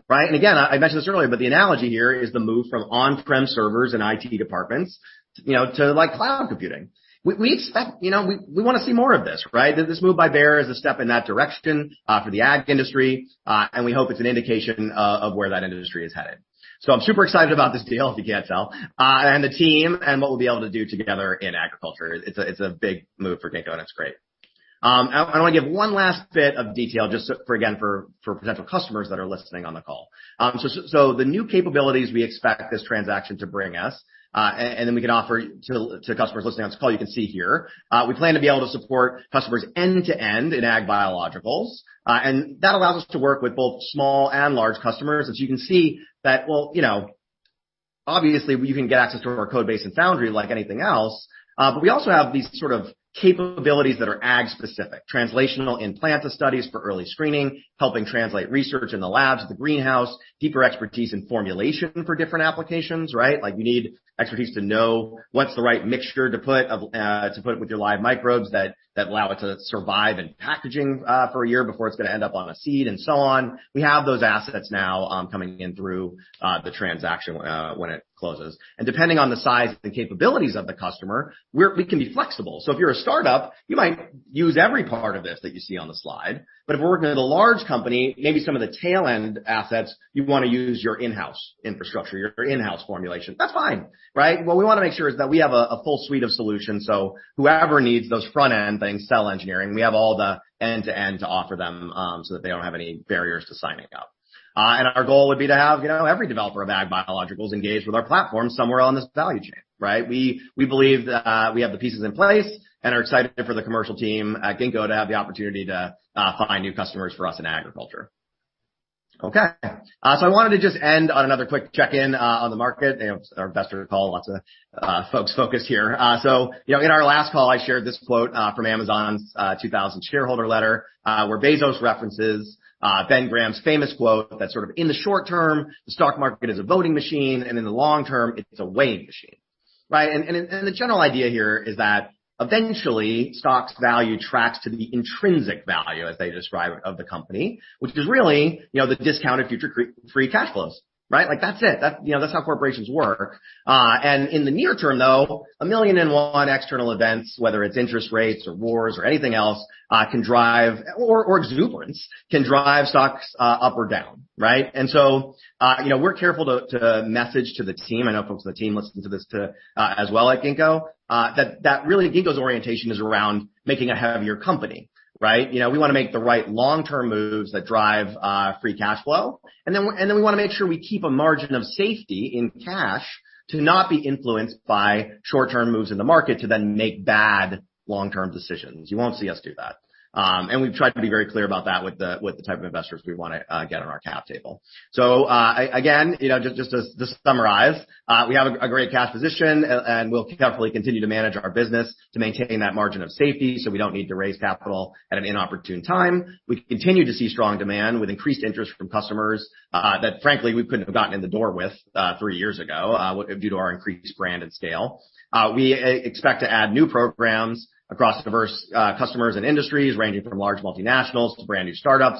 right? I mentioned this earlier, but the analogy here is the move from on-prem servers and IT departments, you know, to, like, cloud computing. We expect. You know, we wanna see more of this, right? This move by Bayer is a step in that direction, for the ag industry, and we hope it's an indication of where that industry is headed. I'm super excited about this deal, if you can't tell, and the team and what we'll be able to do together in agriculture. It's a big move for Ginkgo, and it's great. I wanna give one last bit of detail just for, again, for potential customers that are listening on the call. So the new capabilities we expect this transaction to bring us, and then we can offer to customers listening on this call, you can see here, we plan to be able to support customers end-to-end in ag biologicals. That allows us to work with both small and large customers. As you can see that, well, you know, obviously we can get access to our codebase and foundry like anything else, but we also have these sort of capabilities that are ag specific. Translational in planta studies for early screening, helping translate research in the labs at the greenhouse, deeper expertise in formulation for different applications, right? Like you need expertise to know what's the right mixture to put with your live microbes that allow it to survive in packaging for a year before it's gonna end up on a seed, and so on. We have those assets now coming in through the transaction when it closes. Depending on the size and capabilities of the customer, we can be flexible. If you're a startup, you might use every part of this that you see on the slide. If we're working with a large company, maybe some of the tail end assets, you wanna use your in-house infrastructure, your in-house formulation. That's fine, right? What we wanna make sure is that we have a full suite of solutions, so whoever needs those front-end things, cell engineering, we have all the end-to-end to offer them, so that they don't have any barriers to signing up. Our goal would be to have, you know, every developer of ag biologicals engaged with our platform somewhere on this value chain, right? We believe that we have the pieces in place and are excited for the commercial team at Ginkgo to have the opportunity to find new customers for us in agriculture. Okay. I wanted to just end on another quick check-in on the market. You know, it's our investor call. Lots of folks focused here. You know, in our last call, I shared this quote from Amazon's 2000 shareholder letter, where Bezos references Ben Graham's famous quote that sort of, "In the short term, the stock market is a voting machine, and in the long term, it's a weighing machine." Right? And the general idea here is that eventually stocks value tracks to the intrinsic value, as they describe it, of the company, which is really, you know, the discounted future free cash flows. Right? Like, that's it. That's, you know, that's how corporations work. And in the near term, though, a million and one external events, whether it's interest rates or wars or anything else, can drive or exuberance can drive stocks up or down, right? You know, we're careful to message to the team. I know folks on the team listen to this too as well at Ginkgo, that really Ginkgo's orientation is around making a healthier company, right? You know, we wanna make the right long-term moves that drive free cash flow, and then we wanna make sure we keep a margin of safety in cash to not be influenced by short-term moves in the market to then make bad long-term decisions. You won't see us do that. We've tried to be very clear about that with the type of investors we wanna get on our cap table. Again, you know, just to summarize, we have a great cash position, and we'll carefully continue to manage our business to maintain that margin of safety, so we don't need to raise capital at an inopportune time. We continue to see strong demand with increased interest from customers that frankly we couldn't have gotten in the door with three years ago due to our increased brand and scale. We expect to add new programs across diverse customers and industries, ranging from large multinationals to brand new startups.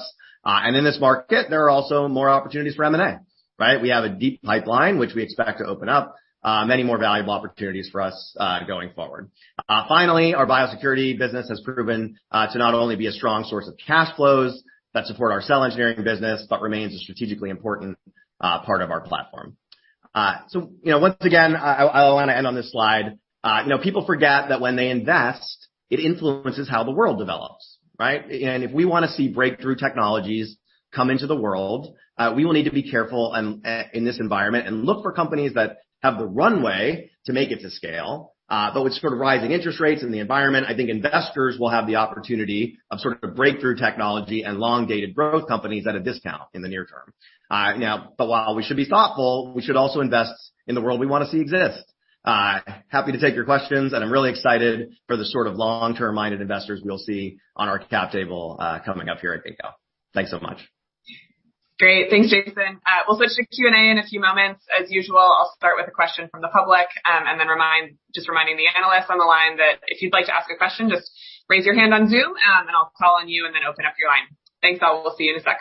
In this market, there are also more opportunities for M&A, right? We have a deep pipeline, which we expect to open up many more valuable opportunities for us going forward. Finally, our biosecurity business has proven to not only be a strong source of cash flows that support our cell engineering business, but remains a strategically important part of our platform. You know, once again, I wanna end on this slide. You know, people forget that when they invest, it influences how the world develops, right? If we wanna see breakthrough technologies come into the world, we will need to be careful in this environment and look for companies that have the runway to make it to scale. With sort of rising interest rates in the environment, I think investors will have the opportunity of sort of a breakthrough technology and long-dated growth companies at a discount in the near term. While we should be thoughtful, we should also invest in the world we wanna see exist. Happy to take your questions, and I'm really excited for the sort of long-term-minded investors we'll see on our cap table, coming up here at Ginkgo. Thanks so much. Great. Thanks, Jason. We'll switch to Q&A in a few moments. As usual, I'll start with a question from the public, and then reminding the analysts on the line that if you'd like to ask a question, just raise your hand on Zoom, and I'll call on you and then open up your line. Thanks, all. We'll see you in a sec.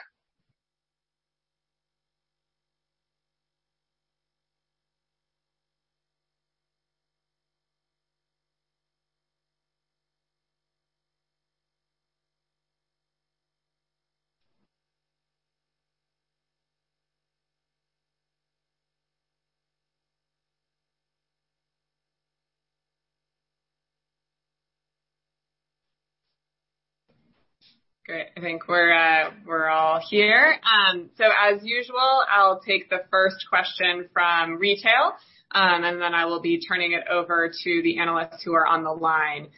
Great. I think we're all here. As usual, I'll take the first question from retail, and then I will be turning it over to the analysts who are on the line.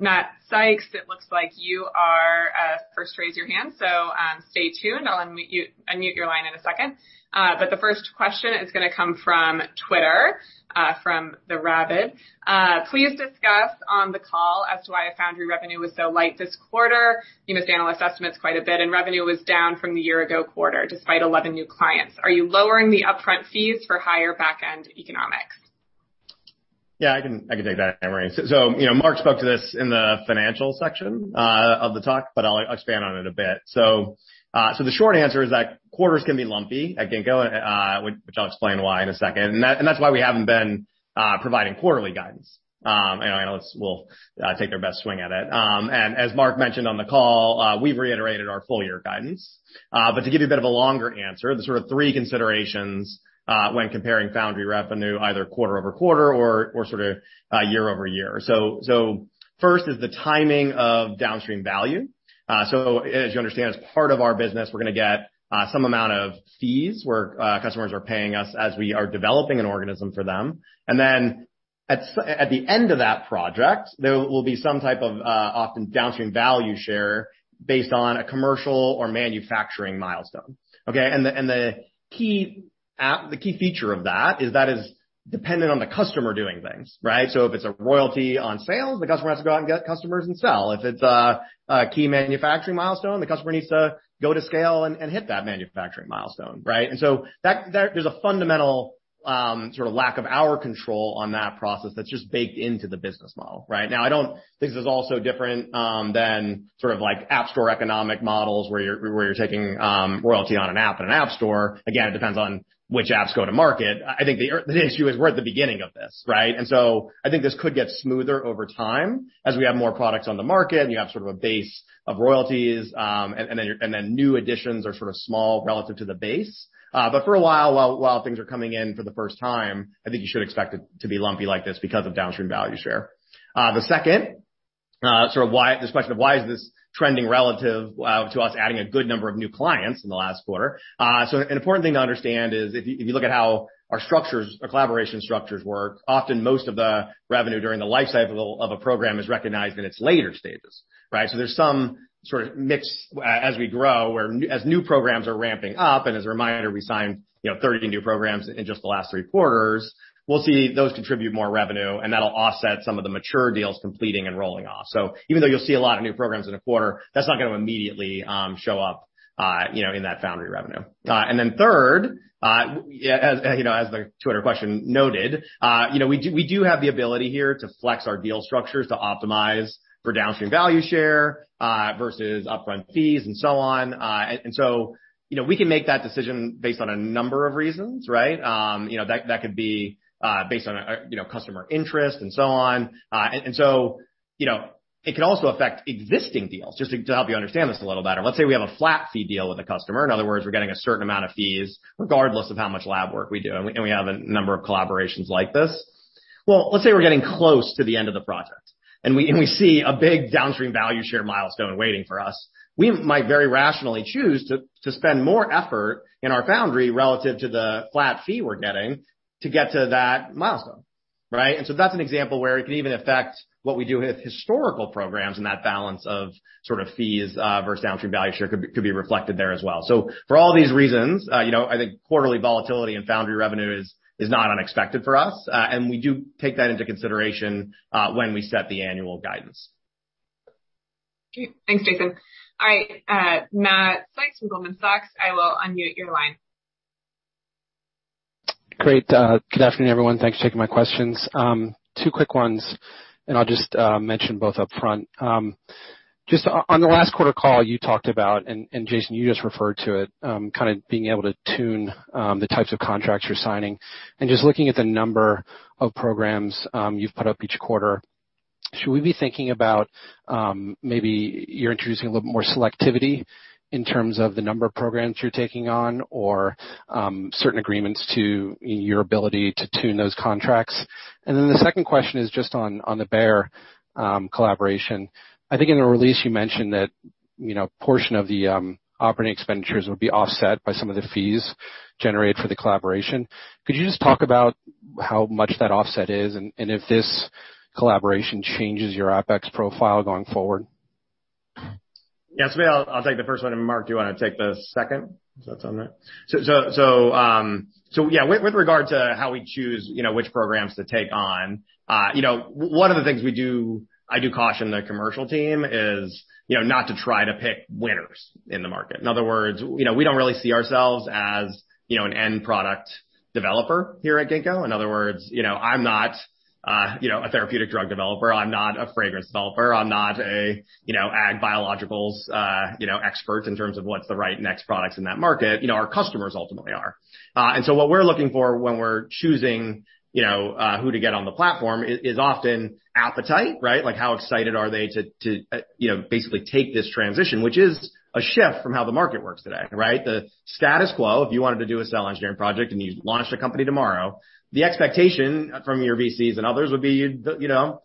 Matthew Sykes, it looks like you are first to raise your hand, so stay tuned. I'll unmute you, unmute your line in a second. The first question is gonna come from Twitter, from The Rabid. Please discuss on the call as to why foundry revenue was so light this quarter. You missed the analyst estimates quite a bit, and revenue was down from the year ago quarter despite 11 new clients. Are you lowering the upfront fees for higher backend economics? Yeah, I can take that, Marie. You know, Mark spoke to this in the financial section of the talk, but I'll expand on it a bit. The short answer is that quarters can be lumpy at Ginkgo, which I'll explain why in a second. That's why we haven't been providing quarterly guidance. Analysts will take their best swing at it. As Mark mentioned on the call, we've reiterated our full-year guidance. To give you a bit of a longer answer, the sort of three considerations when comparing foundry revenue either quarter-over-quarter or sort of year-over-year. First is the timing of downstream value. As you understand, as part of our business, we're gonna get some amount of fees where customers are paying us as we are developing an organism for them. At the end of that project, there will be some type of often downstream value share based on a commercial or manufacturing milestone, okay? The key feature of that is that is dependent on the customer doing things, right? If it's a royalty on sales, the customer has to go out and get customers and sell. If it's a key manufacturing milestone, the customer needs to go to scale and hit that manufacturing milestone, right? There's a fundamental sort of lack of our control on that process that's just baked into the business model, right? Now, I don't think this is all so different than sort of like app store economic models where you're taking royalty on an app in an app store. Again, it depends on which apps go to market. I think the issue is we're at the beginning of this, right? I think this could get smoother over time as we have more products on the market, and you have sort of a base of royalties, and then new additions are sort of small relative to the base. For a while things are coming in for the first time, I think you should expect it to be lumpy like this because of downstream value share. The second sort of why... This question of why is this trending relative to us adding a good number of new clients in the last quarter. An important thing to understand is if you look at how our structures, our collaboration structures work, often most of the revenue during the life cycle of a program is recognized in its later stages, right? There's some sort of mix as we grow where as new programs are ramping up, and as a reminder, we signed, you know, 13 new programs in just the last three quarters. We'll see those contribute more revenue, and that'll offset some of the mature deals completing and rolling off. Even though you'll see a lot of new programs in a quarter, that's not gonna immediately show up, you know, in that foundry revenue. Third, yes, as the Twitter question noted, you know, as the Twitter question noted, you know, we do have the ability here to flex our deal structures to optimize for downstream value share, versus upfront fees and so on. So, you know, we can make that decision based on a number of reasons, right? You know, that could be based on customer interest and so on. So, you know, it could also affect existing deals. Just to help you understand this a little better, let's say we have a flat fee deal with a customer. In other words, we're getting a certain amount of fees regardless of how much lab work we do, and we have a number of collaborations like this. Well, let's say we're getting close to the end of the project, and we see a big downstream value share milestone waiting for us. We might very rationally choose to spend more effort in our foundry relative to the flat fee we're getting to get to that milestone, right? That's an example where it can even affect what we do with historical programs, and that balance of sort of fees versus downstream value share could be reflected there as well. For all these reasons, you know, I think quarterly volatility in foundry revenue is not unexpected for us. We do take that into consideration when we set the annual guidance. Great. Thanks, Jason. All right, Matthew Sykes from Goldman Sachs, I will unmute your line. Great. Good afternoon, everyone. Thanks for taking my questions. Two quick ones, and I'll just mention both upfront. Just on the last quarter call you talked about, and Jason, you just referred to it, kinda being able to tune the types of contracts you're signing. Just looking at the number of programs you've put up each quarter, should we be thinking about maybe you're introducing a little more selectivity in terms of the number of programs you're taking on or certain agreements to your ability to tune those contracts? The second question is just on the Bayer collaboration. I think in a release you mentioned that, you know, a portion of the operating expenditures would be offset by some of the fees generated for the collaboration. Could you just talk about how much that offset is and if this collaboration changes your OpEx profile going forward? Yeah, Samir, I'll take the first one, and Mark, do you wanna take the second? Is that somewhere? Yeah, with regard to how we choose, you know, which programs to take on, you know, one of the things we do. I do caution the commercial team is, you know, not to try to pick winners in the market. In other words, you know, we don't really see ourselves as, you know, an end product developer here at Ginkgo. In other words, you know, I'm not, you know, a therapeutic drug developer, I'm not a fragrance developer, I'm not a, you know, ag biologicals, you know, expert in terms of what's the right next products in that market. You know, our customers ultimately are. What we're looking for when we're choosing, you know, who to get on the platform is often appetite, right? Like, how excited are they to, you know, basically take this transition, which is a shift from how the market works today, right? The status quo, if you wanted to do a cell engineering project and you launched a company tomorrow, the expectation from your VCs and others would be you'd, you know,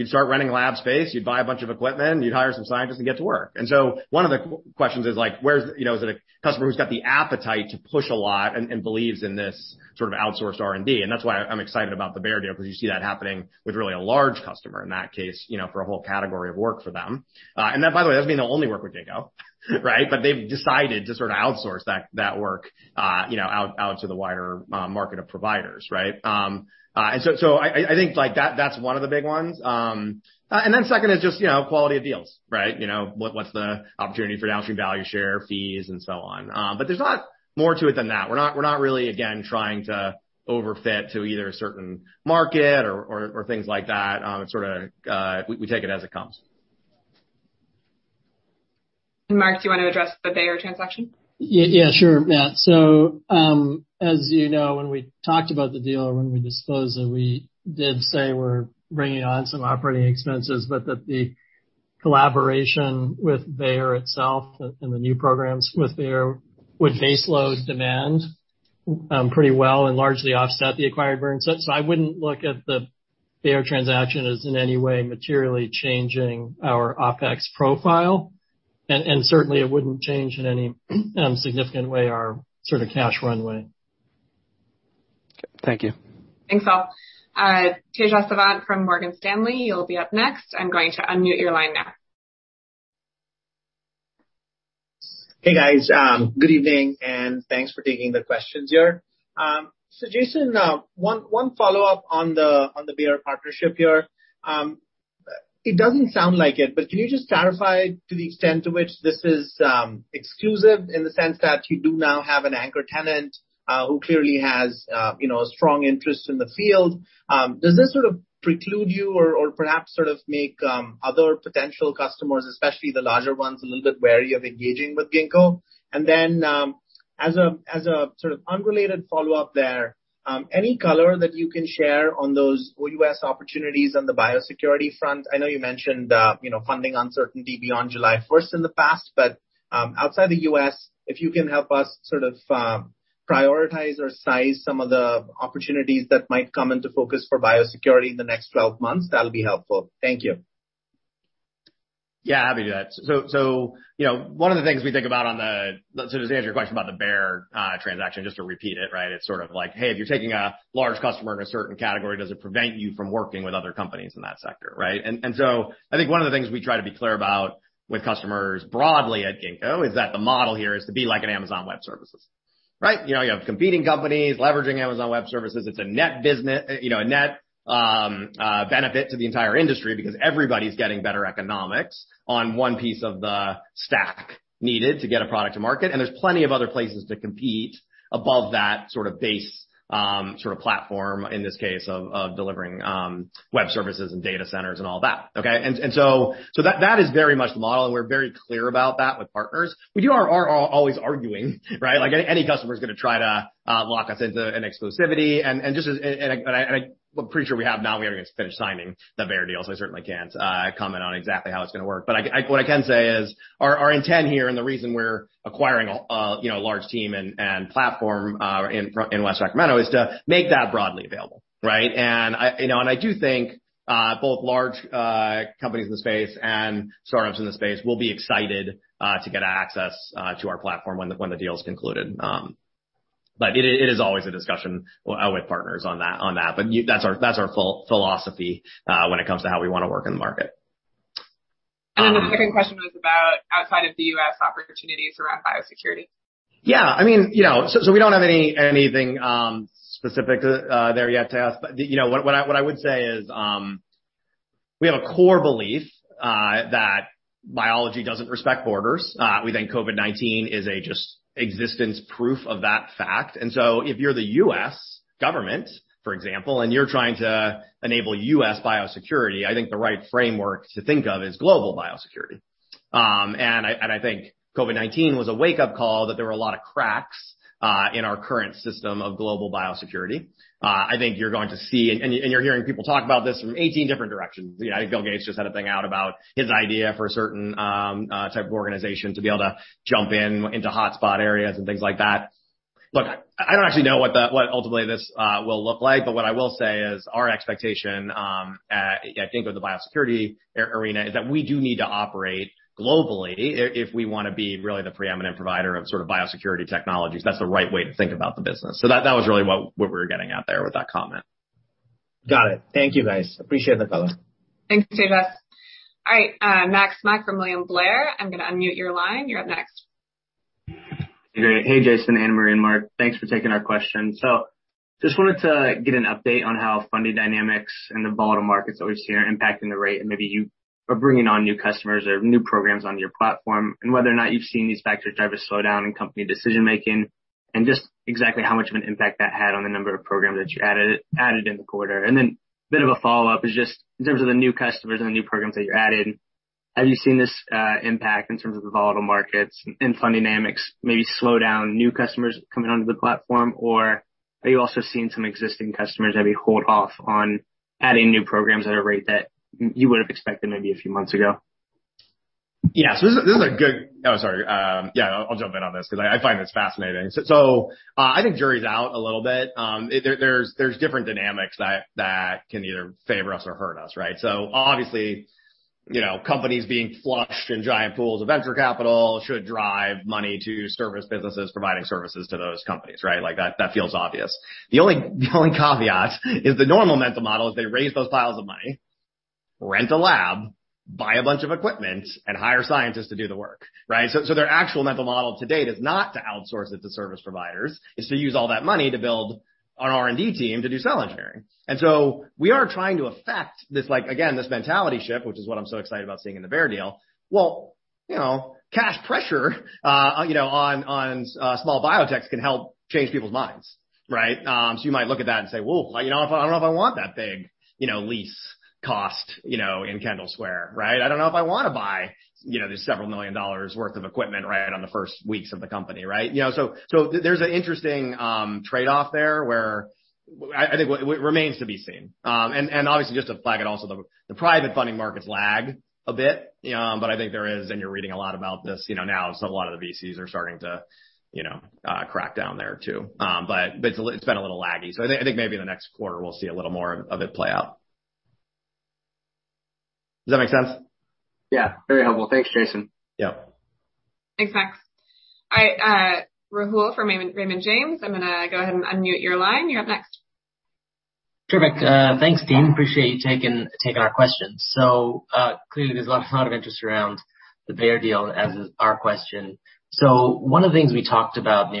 you'd start renting lab space, you'd buy a bunch of equipment, you'd hire some scientists to get to work. One of the questions is like, where's, you know, is it a customer who's got the appetite to push a lot and believes in this sort of outsourced R&D? That's why I'm excited about the Bayer deal, 'cause you see that happening with really a large customer, in that case, you know, for a whole category of work for them. That, by the way, doesn't mean they only work with Ginkgo, right? They've decided to sort of outsource that work, you know, out to the wider market of providers, right? I think like that's one of the big ones. Then second is just, you know, quality of deals, right? You know, what's the opportunity for downstream value share fees and so on. There's not more to it than that. We're not really, again, trying to overfit to either a certain market or things like that. It's sorta we take it as it comes. Mark, do you want to address the Bayer transaction? Yeah, sure. Yeah. As you know, when we talked about the deal or when we disclosed it, we did say we're bringing on some operating expenses, but that the collaboration with Bayer itself and the new programs with Bayer would baseload demand pretty well and largely offset the acquired burn set. I wouldn't look at the Bayer transaction as in any way materially changing our OpEx profile, and certainly it wouldn't change in any significant way our sort of cash runway. Thank you. Thanks, all. Tejas Savant from Morgan Stanley, you'll be up next. I'm going to unmute your line now. Hey, guys. Good evening, and thanks for taking the questions here. Jason, one follow-up on the Bayer partnership here. It doesn't sound like it, but can you just clarify to the extent to which this is exclusive in the sense that you do now have an anchor tenant who clearly has you know a strong interest in the field? Does this sort of preclude you or perhaps sort of make other potential customers, especially the larger ones, a little bit wary of engaging with Ginkgo? As a sort of unrelated follow-up there, any color that you can share on those OUS opportunities on the biosecurity front? I know you mentioned, you know, funding uncertainty beyond July first in the past, but, outside the U.S., if you can help us sort of, prioritize or size some of the opportunities that might come into focus for biosecurity in the next 12 months, that'll be helpful. Thank you. Yeah, happy to do that. You know, one of the things we think about. To answer your question about the Bayer transaction, just to repeat it, right? It's sort of like, hey, if you're taking a large customer in a certain category, does it prevent you from working with other companies in that sector, right? I think one of the things we try to be clear about with customers broadly at Ginkgo is that the model here is to be like an Amazon Web Services, right? You know, you have competing companies leveraging Amazon Web Services. It's a net, you know, benefit to the entire industry because everybody's getting better economics on one piece of the stack needed to get a product to market. There's plenty of other places to compete above that sort of base, sort of platform in this case of delivering web services and data centers and all that, okay? That is very much the model, and we're very clear about that with partners. We are always arguing, right? Like, any customer's gonna try to lock us into an exclusivity and just as I. I'm pretty sure we haven't even finished signing the Bayer deal, so I certainly can't comment on exactly how it's gonna work. But what I can say is our intent here and the reason we're acquiring a you know large team and platform in West Sacramento is to make that broadly available, right? I do think both large companies in the space and startups in the space will be excited to get access to our platform when the deal is concluded. It is always a discussion with partners on that. That's our philosophy when it comes to how we wanna work in the market. The second question was about outside of the U.S. opportunities around biosecurity. Yeah, I mean, you know, so we don't have anything specific there yet to ask. You know, what I would say is we have a core belief that biology doesn't respect borders. We think COVID-19 is a just existence proof of that fact. If you're the U.S. government, for example, and you're trying to enable U.S. biosecurity, I think the right framework to think of is global biosecurity. I think COVID-19 was a wake-up call that there were a lot of cracks in our current system of global biosecurity. I think you're going to see, and you're hearing people talk about this from 18 different directions. You know, Bill Gates just had a thing out about his idea for a certain type of organization to be able to jump in into hotspot areas and things like that. Look, I don't actually know what ultimately this will look like, but what I will say is our expectation, I think with the biosecurity arena is that we do need to operate globally if we wanna be really the preeminent provider of sort of biosecurity technologies. That's the right way to think about the business. That was really what we were getting at there with that comment. Got it. Thank you, guys. Appreciate the color. Thanks, Tejas. All right, Matt Larew from William Blair, I'm gonna unmute your line. You're up next. Hey, Jason, Anna Marie, and Mark. Thanks for taking our question. Just wanted to get an update on how funding dynamics and the volatile markets that we're seeing are impacting the rate, and maybe you are bringing on new customers or new programs on your platform, and whether or not you've seen these factors drive a slowdown in company decision-making, and just exactly how much of an impact that had on the number of programs that you added in the quarter. Bit of a follow-up is just in terms of the new customers and the new programs that you added, have you seen this impact in terms of the volatile markets and funding dynamics maybe slow down new customers coming onto the platform? Are you also seeing some existing customers maybe hold off on adding new programs at a rate that you would have expected maybe a few months ago? I'll jump in on this 'cause I find this fascinating. I think jury's out a little bit. There's different dynamics that can either favor us or hurt us, right? Obviously, you know, companies being flushed in giant pools of venture capital should drive money to service businesses providing services to those companies, right? Like that feels obvious. The only caveat is the normal mental model is they raise those piles of money, rent a lab, buy a bunch of equipment, and hire scientists to do the work, right? Their actual mental model to date is not to outsource it to service providers. It's to use all that money to build an R&D team to do cell engineering. We are trying to affect this like, again, this mentality shift, which is what I'm so excited about seeing in the Bayer deal. You know, cash pressure, you know, on small biotechs can help change people's minds, right? You might look at that and say, "Whoa, you know, I don't know if I want that big, you know, lease cost, you know, in Kendall Square," right? "I don't know if I wanna buy, you know, this several million dollars worth of equipment right on the first weeks of the company," right? You know, there's an interesting trade-off there where I think what remains to be seen. Obviously, just to flag it, also the private funding markets lag a bit. I think there is, and you're reading a lot about this, you know, now. A lot of the VCs are starting to, you know, crack down there too. It's been a little laggy. I think maybe in the next quarter we'll see a little more of it play out. Does that make sense? Yeah, very helpful. Thanks, Jason. Yeah. Thanks, Max. All right, Rahul from Raymond James. I'm gonna go ahead and unmute your line. You're up next. Terrific. Thanks, team. Appreciate you taking our questions. Clearly there's a lot of interest around the Bayer deal, as is our question. One of the things we talked about in the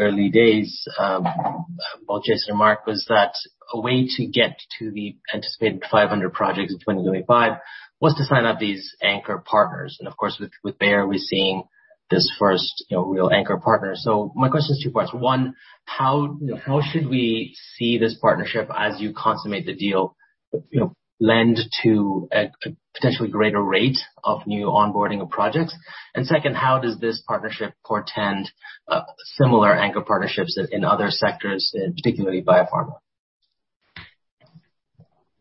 early days about Jason and Mark was that a way to get to the anticipated 500 projects in 2025 was to sign up these anchor partners. Of course, with Bayer, we're seeing this first real anchor partner. My question is two parts. One, how should we see this partnership as you consummate the deal lead to a potentially greater rate of new onboarding of projects? Second, how does this partnership portend similar anchor partnerships in other sectors, particularly biopharma?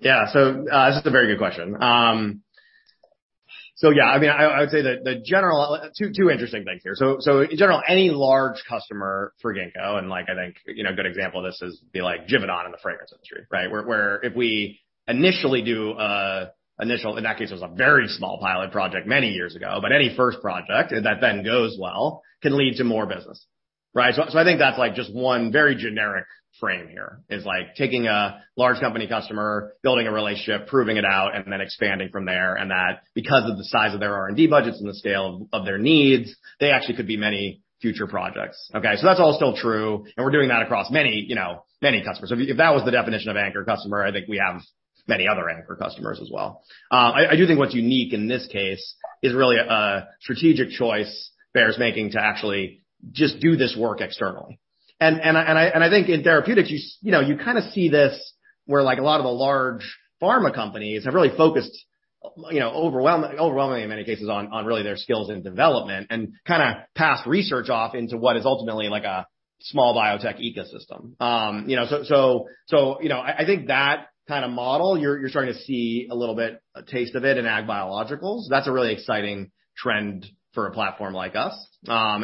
Yeah. That's a very good question. I mean, I would say two interesting things here. In general, any large customer for Ginkgo, and like I think, you know, a good example of this is like Givaudan in the fragrance industry, right? Where if we initially do an initial, in that case, it was a very small pilot project many years ago, but any first project that then goes well can lead to more business, right? I think that's like just one very generic frame here is like taking a large company customer, building a relationship, proving it out, and then expanding from there. That because of the size of their R&D budgets and the scale of their needs, they actually could be many future projects. Okay? That's all still true, and we're doing that across many, you know, many customers. If that was the definition of anchor customer, I think we have many other anchor customers as well. I do think what's unique in this case is really a strategic choice Bayer's making to actually just do this work externally. I think in therapeutics, you know, you kind of see this where like a lot of the large pharma companies have really focused, you know, overwhelmingly in many cases on really their skills in development and kind of passed research off into what is ultimately like a small biotech ecosystem. I think that kind of model, you're starting to see a little bit a taste of it in ag biologicals. That's a really exciting trend for a platform like us. I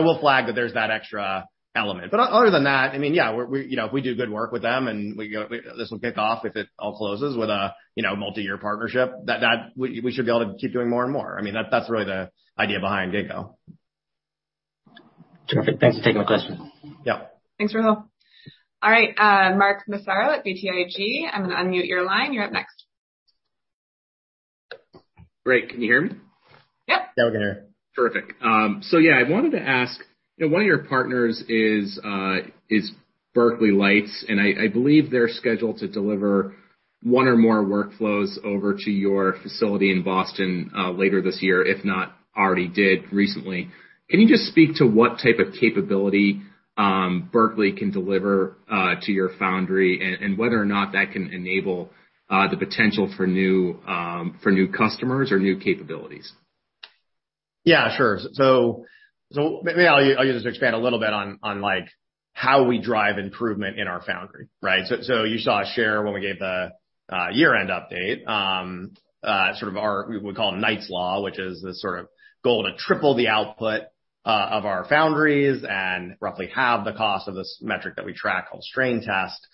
will flag that there's that extra element. Other than that, I mean, yeah, we you know, if we do good work with them. This will kick off, if it all closes, with a you know, multi-year partnership, that we should be able to keep doing more and more. I mean, that's really the idea behind Ginkgo. Terrific. Thanks for taking the question. Yeah. Thanks, Rahul. All right, Mark Massaro at BTIG, I'm gonna unmute your line. You're up next. Great. Can you hear me? Yep. Now we can hear. Terrific. So yeah, I wanted to ask, you know, one of your partners is Berkeley Lights, and I believe they're scheduled to deliver one or more workflows over to your facility in Boston, later this year, if not already did recently. Can you just speak to what type of capability, Berkeley can deliver, to your foundry and whether or not that can enable the potential for new, for new customers or new capabilities? Yeah, sure. Maybe I'll just expand a little bit on like how we drive improvement in our foundry, right? You saw a share when we gave the year-end update, sort of our Knight's Law, which we call, which is this sort of goal to triple the output of our foundries and roughly halve the cost of this metric that we track called strain test.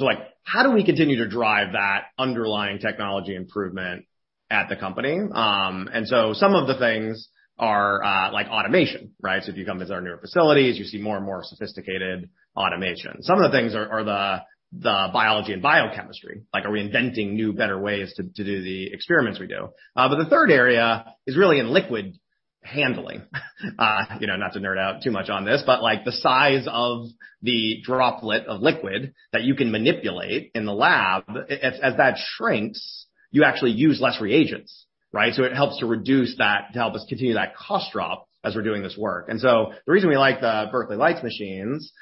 Like, how do we continue to drive that underlying technology improvement at the company? Some of the things are like automation, right? If you come visit our newer facilities, you see more and more sophisticated automation. Some of the things are the biology and biochemistry, like are we inventing new, better ways to do the experiments we do? The third area is really in liquid handling. You know, not to nerd out too much on this, but like the size of the droplet of liquid that you can manipulate in the lab, as that shrinks, you actually use less reagents, right? It helps to reduce that to help us continue that cost drop as we're doing this work. The reason we like the Berkeley Lights machines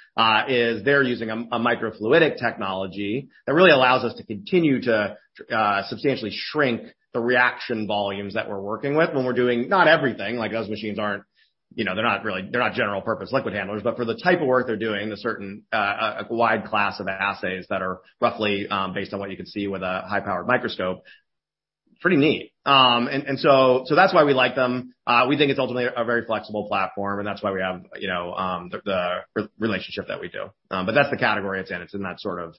is they're using a microfluidic technology that really allows us to continue to substantially shrink the reaction volumes that we're working with when we're doing not everything. Like, those machines aren't, you know, they're not really general purpose liquid handlers. For the type of work they're doing, a wide class of assays that are roughly based on what you could see with a high-powered microscope, pretty neat. That's why we like them. We think it's ultimately a very flexible platform, and that's why we have, you know, the relationship that we do. That's the category it's in. It's in that sort of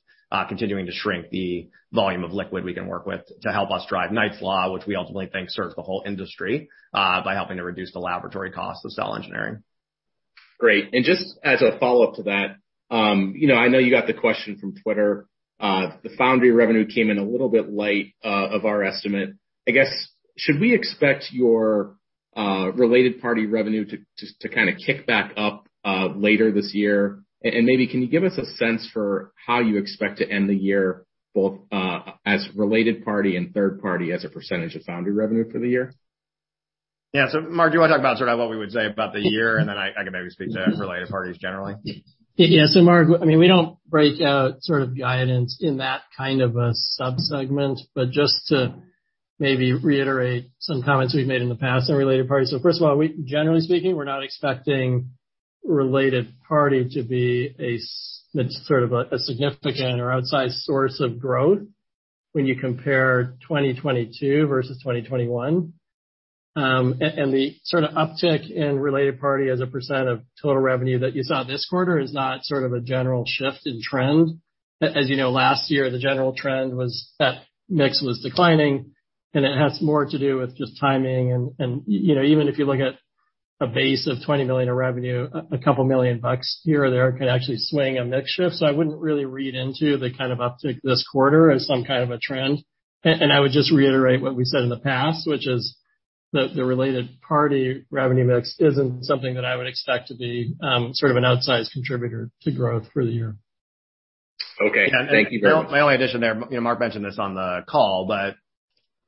continuing to shrink the volume of liquid we can work with to help us drive Knight's Law, which we ultimately think serves the whole industry by helping to reduce the laboratory cost of cell engineering. Great. Just as a follow-up to that, you know, I know you got the question from Twitter. The Foundry revenue came in a little bit light of our estimate. I guess, should we expect your related party revenue to kind of kick back up later this year? And maybe can you give us a sense for how you expect to end the year, both as related party and third party as a percentage of Foundry revenue for the year? Yeah. Mark, do you wanna talk about sort of what we would say about the year, and then I can maybe speak to related parties generally. Yeah. Mark, I mean, we don't break out sort of guidance in that kind of a sub-segment, but just to maybe reiterate some comments we've made in the past on related parties. First of all, we generally speaking, we're not expecting related party to be sort of a significant or outsized source of growth when you compare 2022 versus 2021. And the sort of uptick in related party as a % of total revenue that you saw this quarter is not sort of a general shift in trend. As you know, last year the general trend was that mix was declining, and it has more to do with just timing. You know, even if you look at a base of $20 million of revenue, a couple million bucks here or there could actually swing a mix shift. I wouldn't really read into the kind of uptick this quarter as some kind of a trend. I would just reiterate what we said in the past, which is that the related party revenue mix isn't something that I would expect to be, sort of an outsized contributor to growth for the year. Okay. Thank you very much. My only addition there, you know, Mark mentioned this on the call, but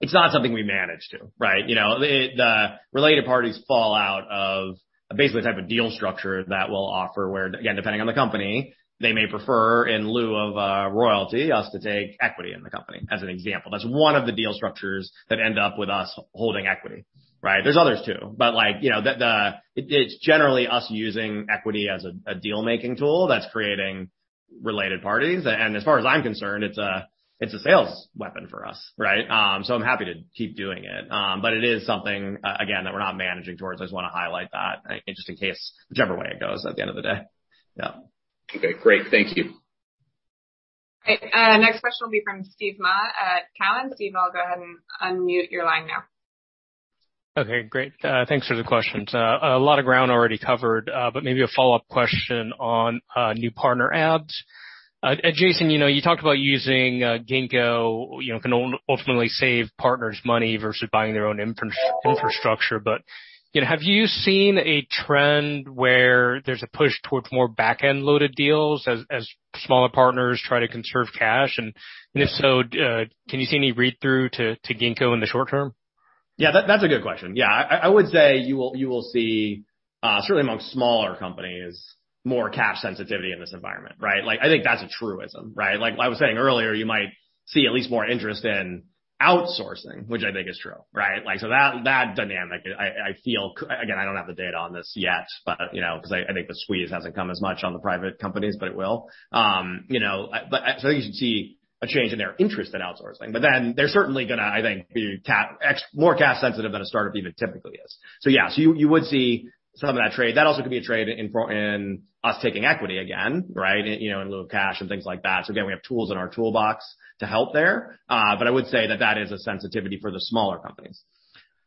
it's not something we manage to, right? You know, the related parties fall out of basically the type of deal structure that we'll offer where, again, depending on the company, they may prefer, in lieu of a royalty, us to take equity in the company, as an example. That's one of the deal structures that end up with us holding equity, right? There's others too, but like, you know, It's generally us using equity as a deal-making tool that's creating related parties. As far as I'm concerned, it's a sales weapon for us, right? I'm happy to keep doing it. It is something, again, that we're not managing towards. I just wanna highlight that just in case, whichever way it goes at the end of the day. Yeah. Okay, great. Thank you. Okay, next question will be from Steve Mah at Cowen. Steve, I'll go ahead and unmute your line now. Okay, great. Thanks for the questions. A lot of ground already covered, but maybe a follow-up question on new partner adds. Jason, you know, you talked about using Ginkgo, you know, can ultimately save partners money versus buying their own infrastructure. But, you know, have you seen a trend where there's a push towards more back-end loaded deals as smaller partners try to conserve cash? And if so, can you see any read-through to Ginkgo in the short term? Yeah, that's a good question. Yeah. I would say you will see certainly among smaller companies, more cash sensitivity in this environment, right? Like, I think that's a truism, right? Like I was saying earlier, you might see at least more interest in outsourcing, which I think is true, right? Like, so that dynamic, I feel. Again, I don't have the data on this yet, but you know, 'cause I think the squeeze hasn't come as much on the private companies, but it will. You know, I think you should see a change in their interest in outsourcing. Then they're certainly gonna, I think, be more cash sensitive than a startup even typically is. Yeah. You would see some of that trade. That also could be a trade in for us taking equity again, right? You know, in lieu of cash and things like that. Again, we have tools in our toolbox to help there. I would say that is a sensitivity for the smaller companies.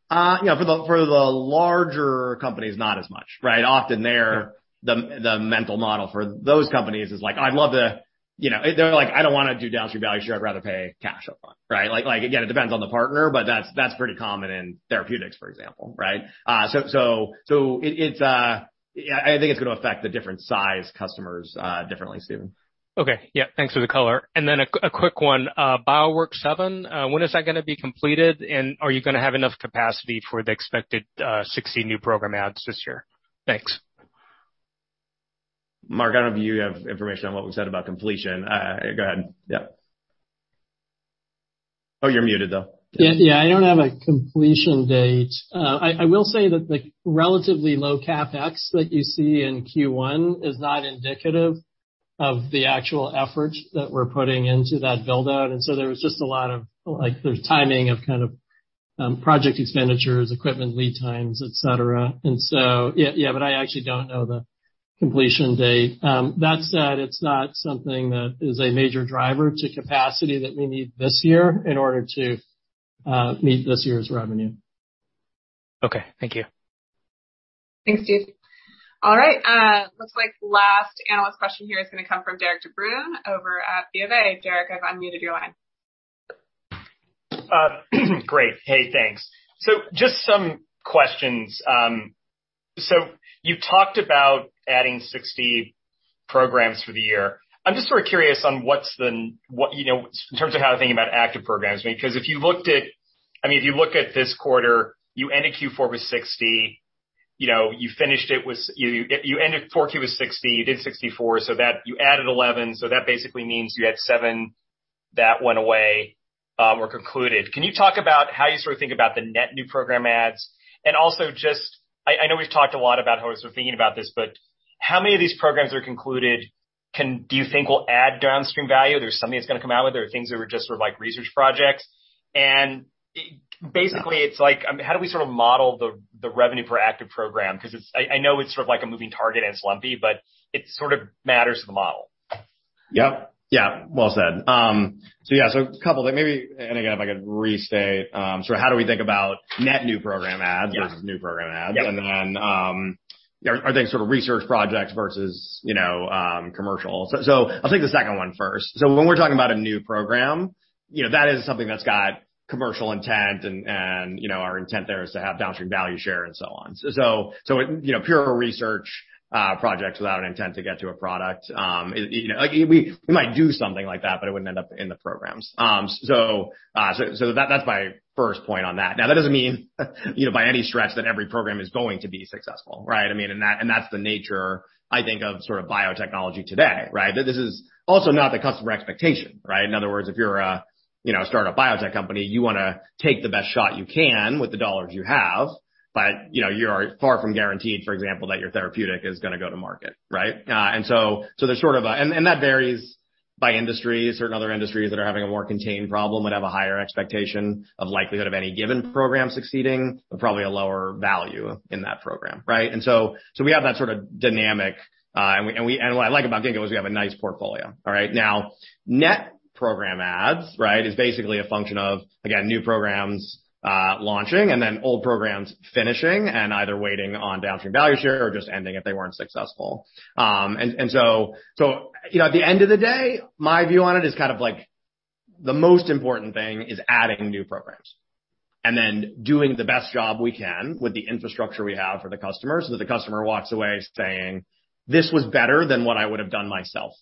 You know, for the larger companies, not as much, right? Often, their mental model for those companies is like, "I'd love to." You know, they're like, "I don't wanna do downstream value share. I'd rather pay cash up front," right? Like, again, it depends on the partner, but that's pretty common in therapeutics, for example, right? It's gonna affect the different size customers differently, Steven. Okay. Yeah, thanks for the color. A quick one. Bioworks7, when is that gonna be completed? Are you gonna have enough capacity for the expected 60 new program adds this year? Thanks. Mark, I don't know if you have information on what we've said about completion. Go ahead. Yeah. Oh, you're muted, though. Yeah, I don't have a completion date. I will say that the relatively low CapEx that you see in Q1 is not indicative of the actual effort that we're putting into that build-out. There was just a lot of, like, timing of kind of project expenditures, equipment lead times, et cetera. Yeah, but I actually don't know the completion date. That said, it's not something that is a major driver to capacity that we need this year in order to meet this year's revenue. Okay. Thank you. Thanks, Steve. All right, looks like the last analyst question here is gonna come from Derik de Bruin over at B of A. Derik, I've unmuted your line. Great. Hey, thanks. Just some questions. You talked about adding 60 programs for the year. I'm just sort of curious on what, you know, in terms of how to think about active programs. Because if you look at this quarter, you ended Q4 with 60, you know, you finished it with you ended 4Q with 60. You did 64, so that you added 11, so that basically means you had 7 that went away or concluded. Can you talk about how you sort of think about the net new program adds? Also just I know we've talked a lot about how we're sort of thinking about this, but how many of these programs are concluded do you think will add downstream value? There's something that's gonna come out with, there are things that were just sort of like research projects. Basically, it's like, how do we sort of model the revenue per active program? 'Cause it's, I know it's sort of like a moving target and it's lumpy, but it sort of matters to the model. Yep. Yeah. Well said. Yeah. A couple like maybe, and again, if I could restate, sort of how do we think about net new program adds. Yeah. versus new program adds. Yeah. Are things sort of research projects versus, you know, commercial? I'll take the second one first. When we're talking about a new program, you know, that is something that's got commercial intent and, you know, our intent there is to have downstream value share and so on. You know, pure research projects without an intent to get to a product, you know, we might do something like that, but it wouldn't end up in the programs. That's my first point on that. Now, that doesn't mean you know, by any stretch that every program is going to be successful, right? I mean, that's the nature I think of sort of biotechnology today, right? This is also not the customer expectation, right? In other words, if you're a startup biotech company, you know, you wanna take the best shot you can with the dollars you have. You know, you are far from guaranteed, for example, that your therapeutic is gonna go to market, right? There's sort of a that varies by industries or in other industries that are having a more contained problem would have a higher expectation of likelihood of any given program succeeding, but probably a lower value in that program, right? We have that sort of dynamic. What I like about Ginkgo is we have a nice portfolio. All right. Now, net program adds, right, is basically a function of, again, new programs launching and then old programs finishing and either waiting on downstream value share or just ending if they weren't successful. you know, at the end of the day, my view on it is kind of like the most important thing is adding new programs and then doing the best job we can with the infrastructure we have for the customer, so that the customer walks away saying, "This was better than what I would have done myself."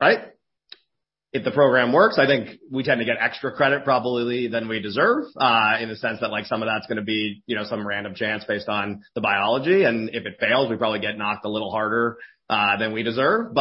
Right? If the program works, I think we tend to get extra credit probably than we deserve, in the sense that like some of that's gonna be, you know, some random chance based on the biology, and if it fails, we probably get knocked a little harder than we deserve.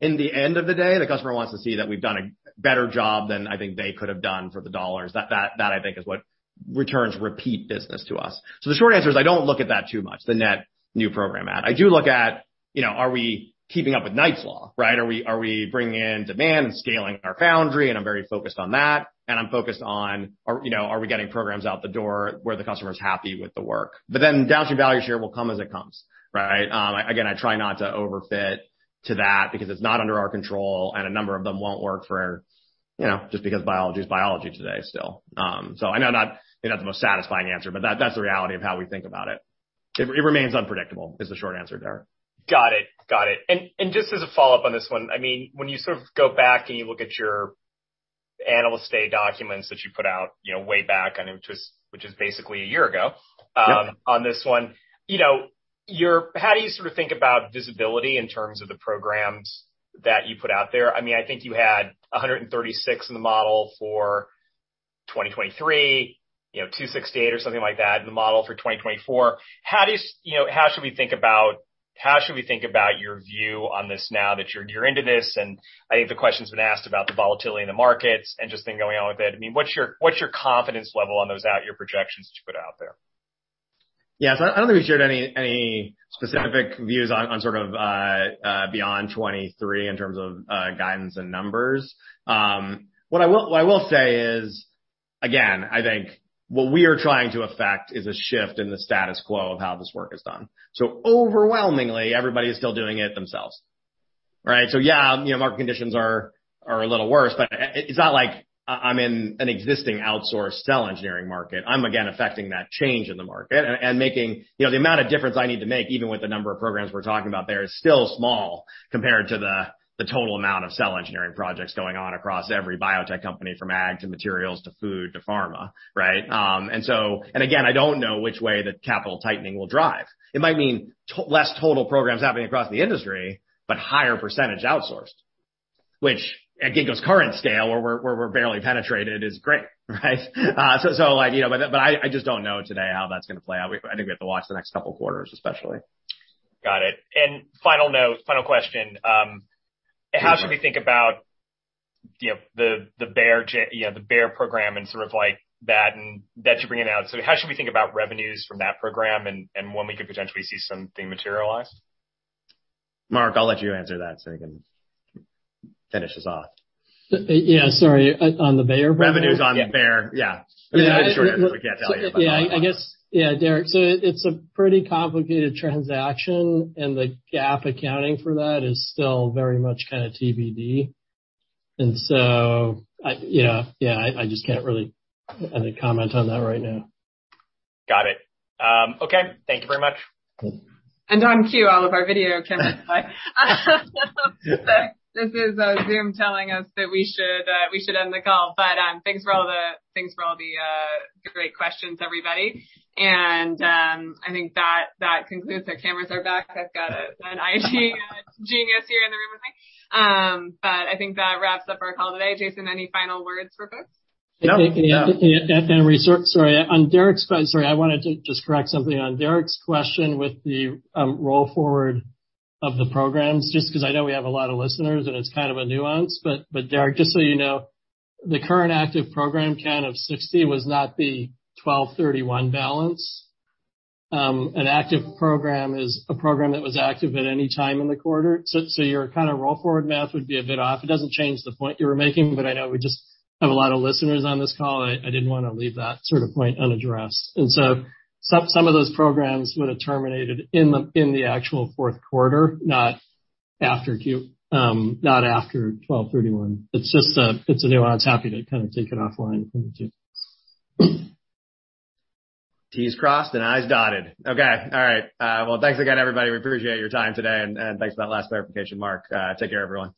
In the end of the day, the customer wants to see that we've done a better job than I think they could have done for the dollars. That I think is what returns repeat business to us. The short answer is I don't look at that too much, the net new program add. I do look at, you know, are we keeping up with Knight's Law, right? Are we bringing in demand and scaling our foundry, and I'm very focused on that, and I'm focused on, you know, are we getting programs out the door, were the customers happy with the work? Downstream value share will come as it comes, right? Again, I try not to overfit to that because it's not under our control, and a number of them won't work for, you know, just because biology is biology today still. I know not, maybe not the most satisfying answer, but that's the reality of how we think about it. It remains unpredictable is the short answer, Derik. Got it. Just as a follow-up on this one, I mean, when you sort of go back and you look at your Analyst Day documents that you put out, you know, way back, which is basically a year ago, on this one. You know, how do you sort of think about visibility in terms of the programs that you put out there? I mean, I think you had 136 in the model for 2023, you know, 268 or something like that in the model for 2024. You know, how should we think about your view on this now that you're into this? I think the question's been asked about the volatility in the markets and just then going on with it. I mean, what's your confidence level on those out-year projections that you put out there? Yeah. I don't think we shared any specific views on sort of beyond 2023 in terms of guidance and numbers. What I will say is, again, I think what we are trying to affect is a shift in the status quo of how this work is done. Overwhelmingly, everybody is still doing it themselves, right? Yeah, you know, market conditions are a little worse, but it's not like I'm in an existing outsourced cell engineering market. I'm again affecting that change in the market and making, you know, the amount of difference I need to make, even with the number of programs we're talking about there, is still small compared to the total amount of cell engineering projects going on across every biotech company from ag to materials to food to pharma, right? I don't know which way the capital tightening will drive. It might mean less total programs happening across the industry, but higher percentage outsourced, which at Ginkgo's current scale, where we're barely penetrated, is great, right? Like, you know, I just don't know today how that's gonna play out. I think we have to watch the next couple of quarters, especially. Got it. Final note, final question. How should we think about, you know, the Bayer program and sort of like that and that you're bringing out. How should we think about revenues from that program and when we could potentially see something materialized? Mark, I'll let you answer that so you can finish this off. Yeah, sorry. On the Bayer program? Revenues on Bayer. Yeah. Yeah. In short, we can't tell you about that one. Yeah, I guess. Yeah, Derik. It's a pretty complicated transaction, and the GAAP accounting for that is still very much kinda TBD. Yeah, I just can't really, I think, comment on that right now. Got it. Okay. Thank you very much. Cool. On cue, all of our video cameras die. This is Zoom telling us that we should end the call. Thanks for all the great questions, everybody. I think that concludes. The cameras are back. I've got an IT genius here in the room with me. I think that wraps up our call today. Jason, any final words for folks? No. On Derik's sorry, I wanted to just correct something on Derik's question with the roll forward of the programs, just 'cause I know we have a lot of listeners and it's kind of a nuance. Derik, just so you know, the current active program count of 60 was not the 12/31 balance. An active program is a program that was active at any time in the quarter. Your kinda roll forward math would be a bit off. It doesn't change the point you were making, but I know we just have a lot of listeners on this call, and I didn't wanna leave that sort of point unaddressed. Some of those programs would have terminated in the actual Q4, not after 12/31. It's just a nuance. Happy to kind of take it offline from here, too. T's crossed and I's dotted. Okay. All right. Well, thanks again, everybody. We appreciate your time today, and thanks for that last clarification, Mark. Take care, everyone.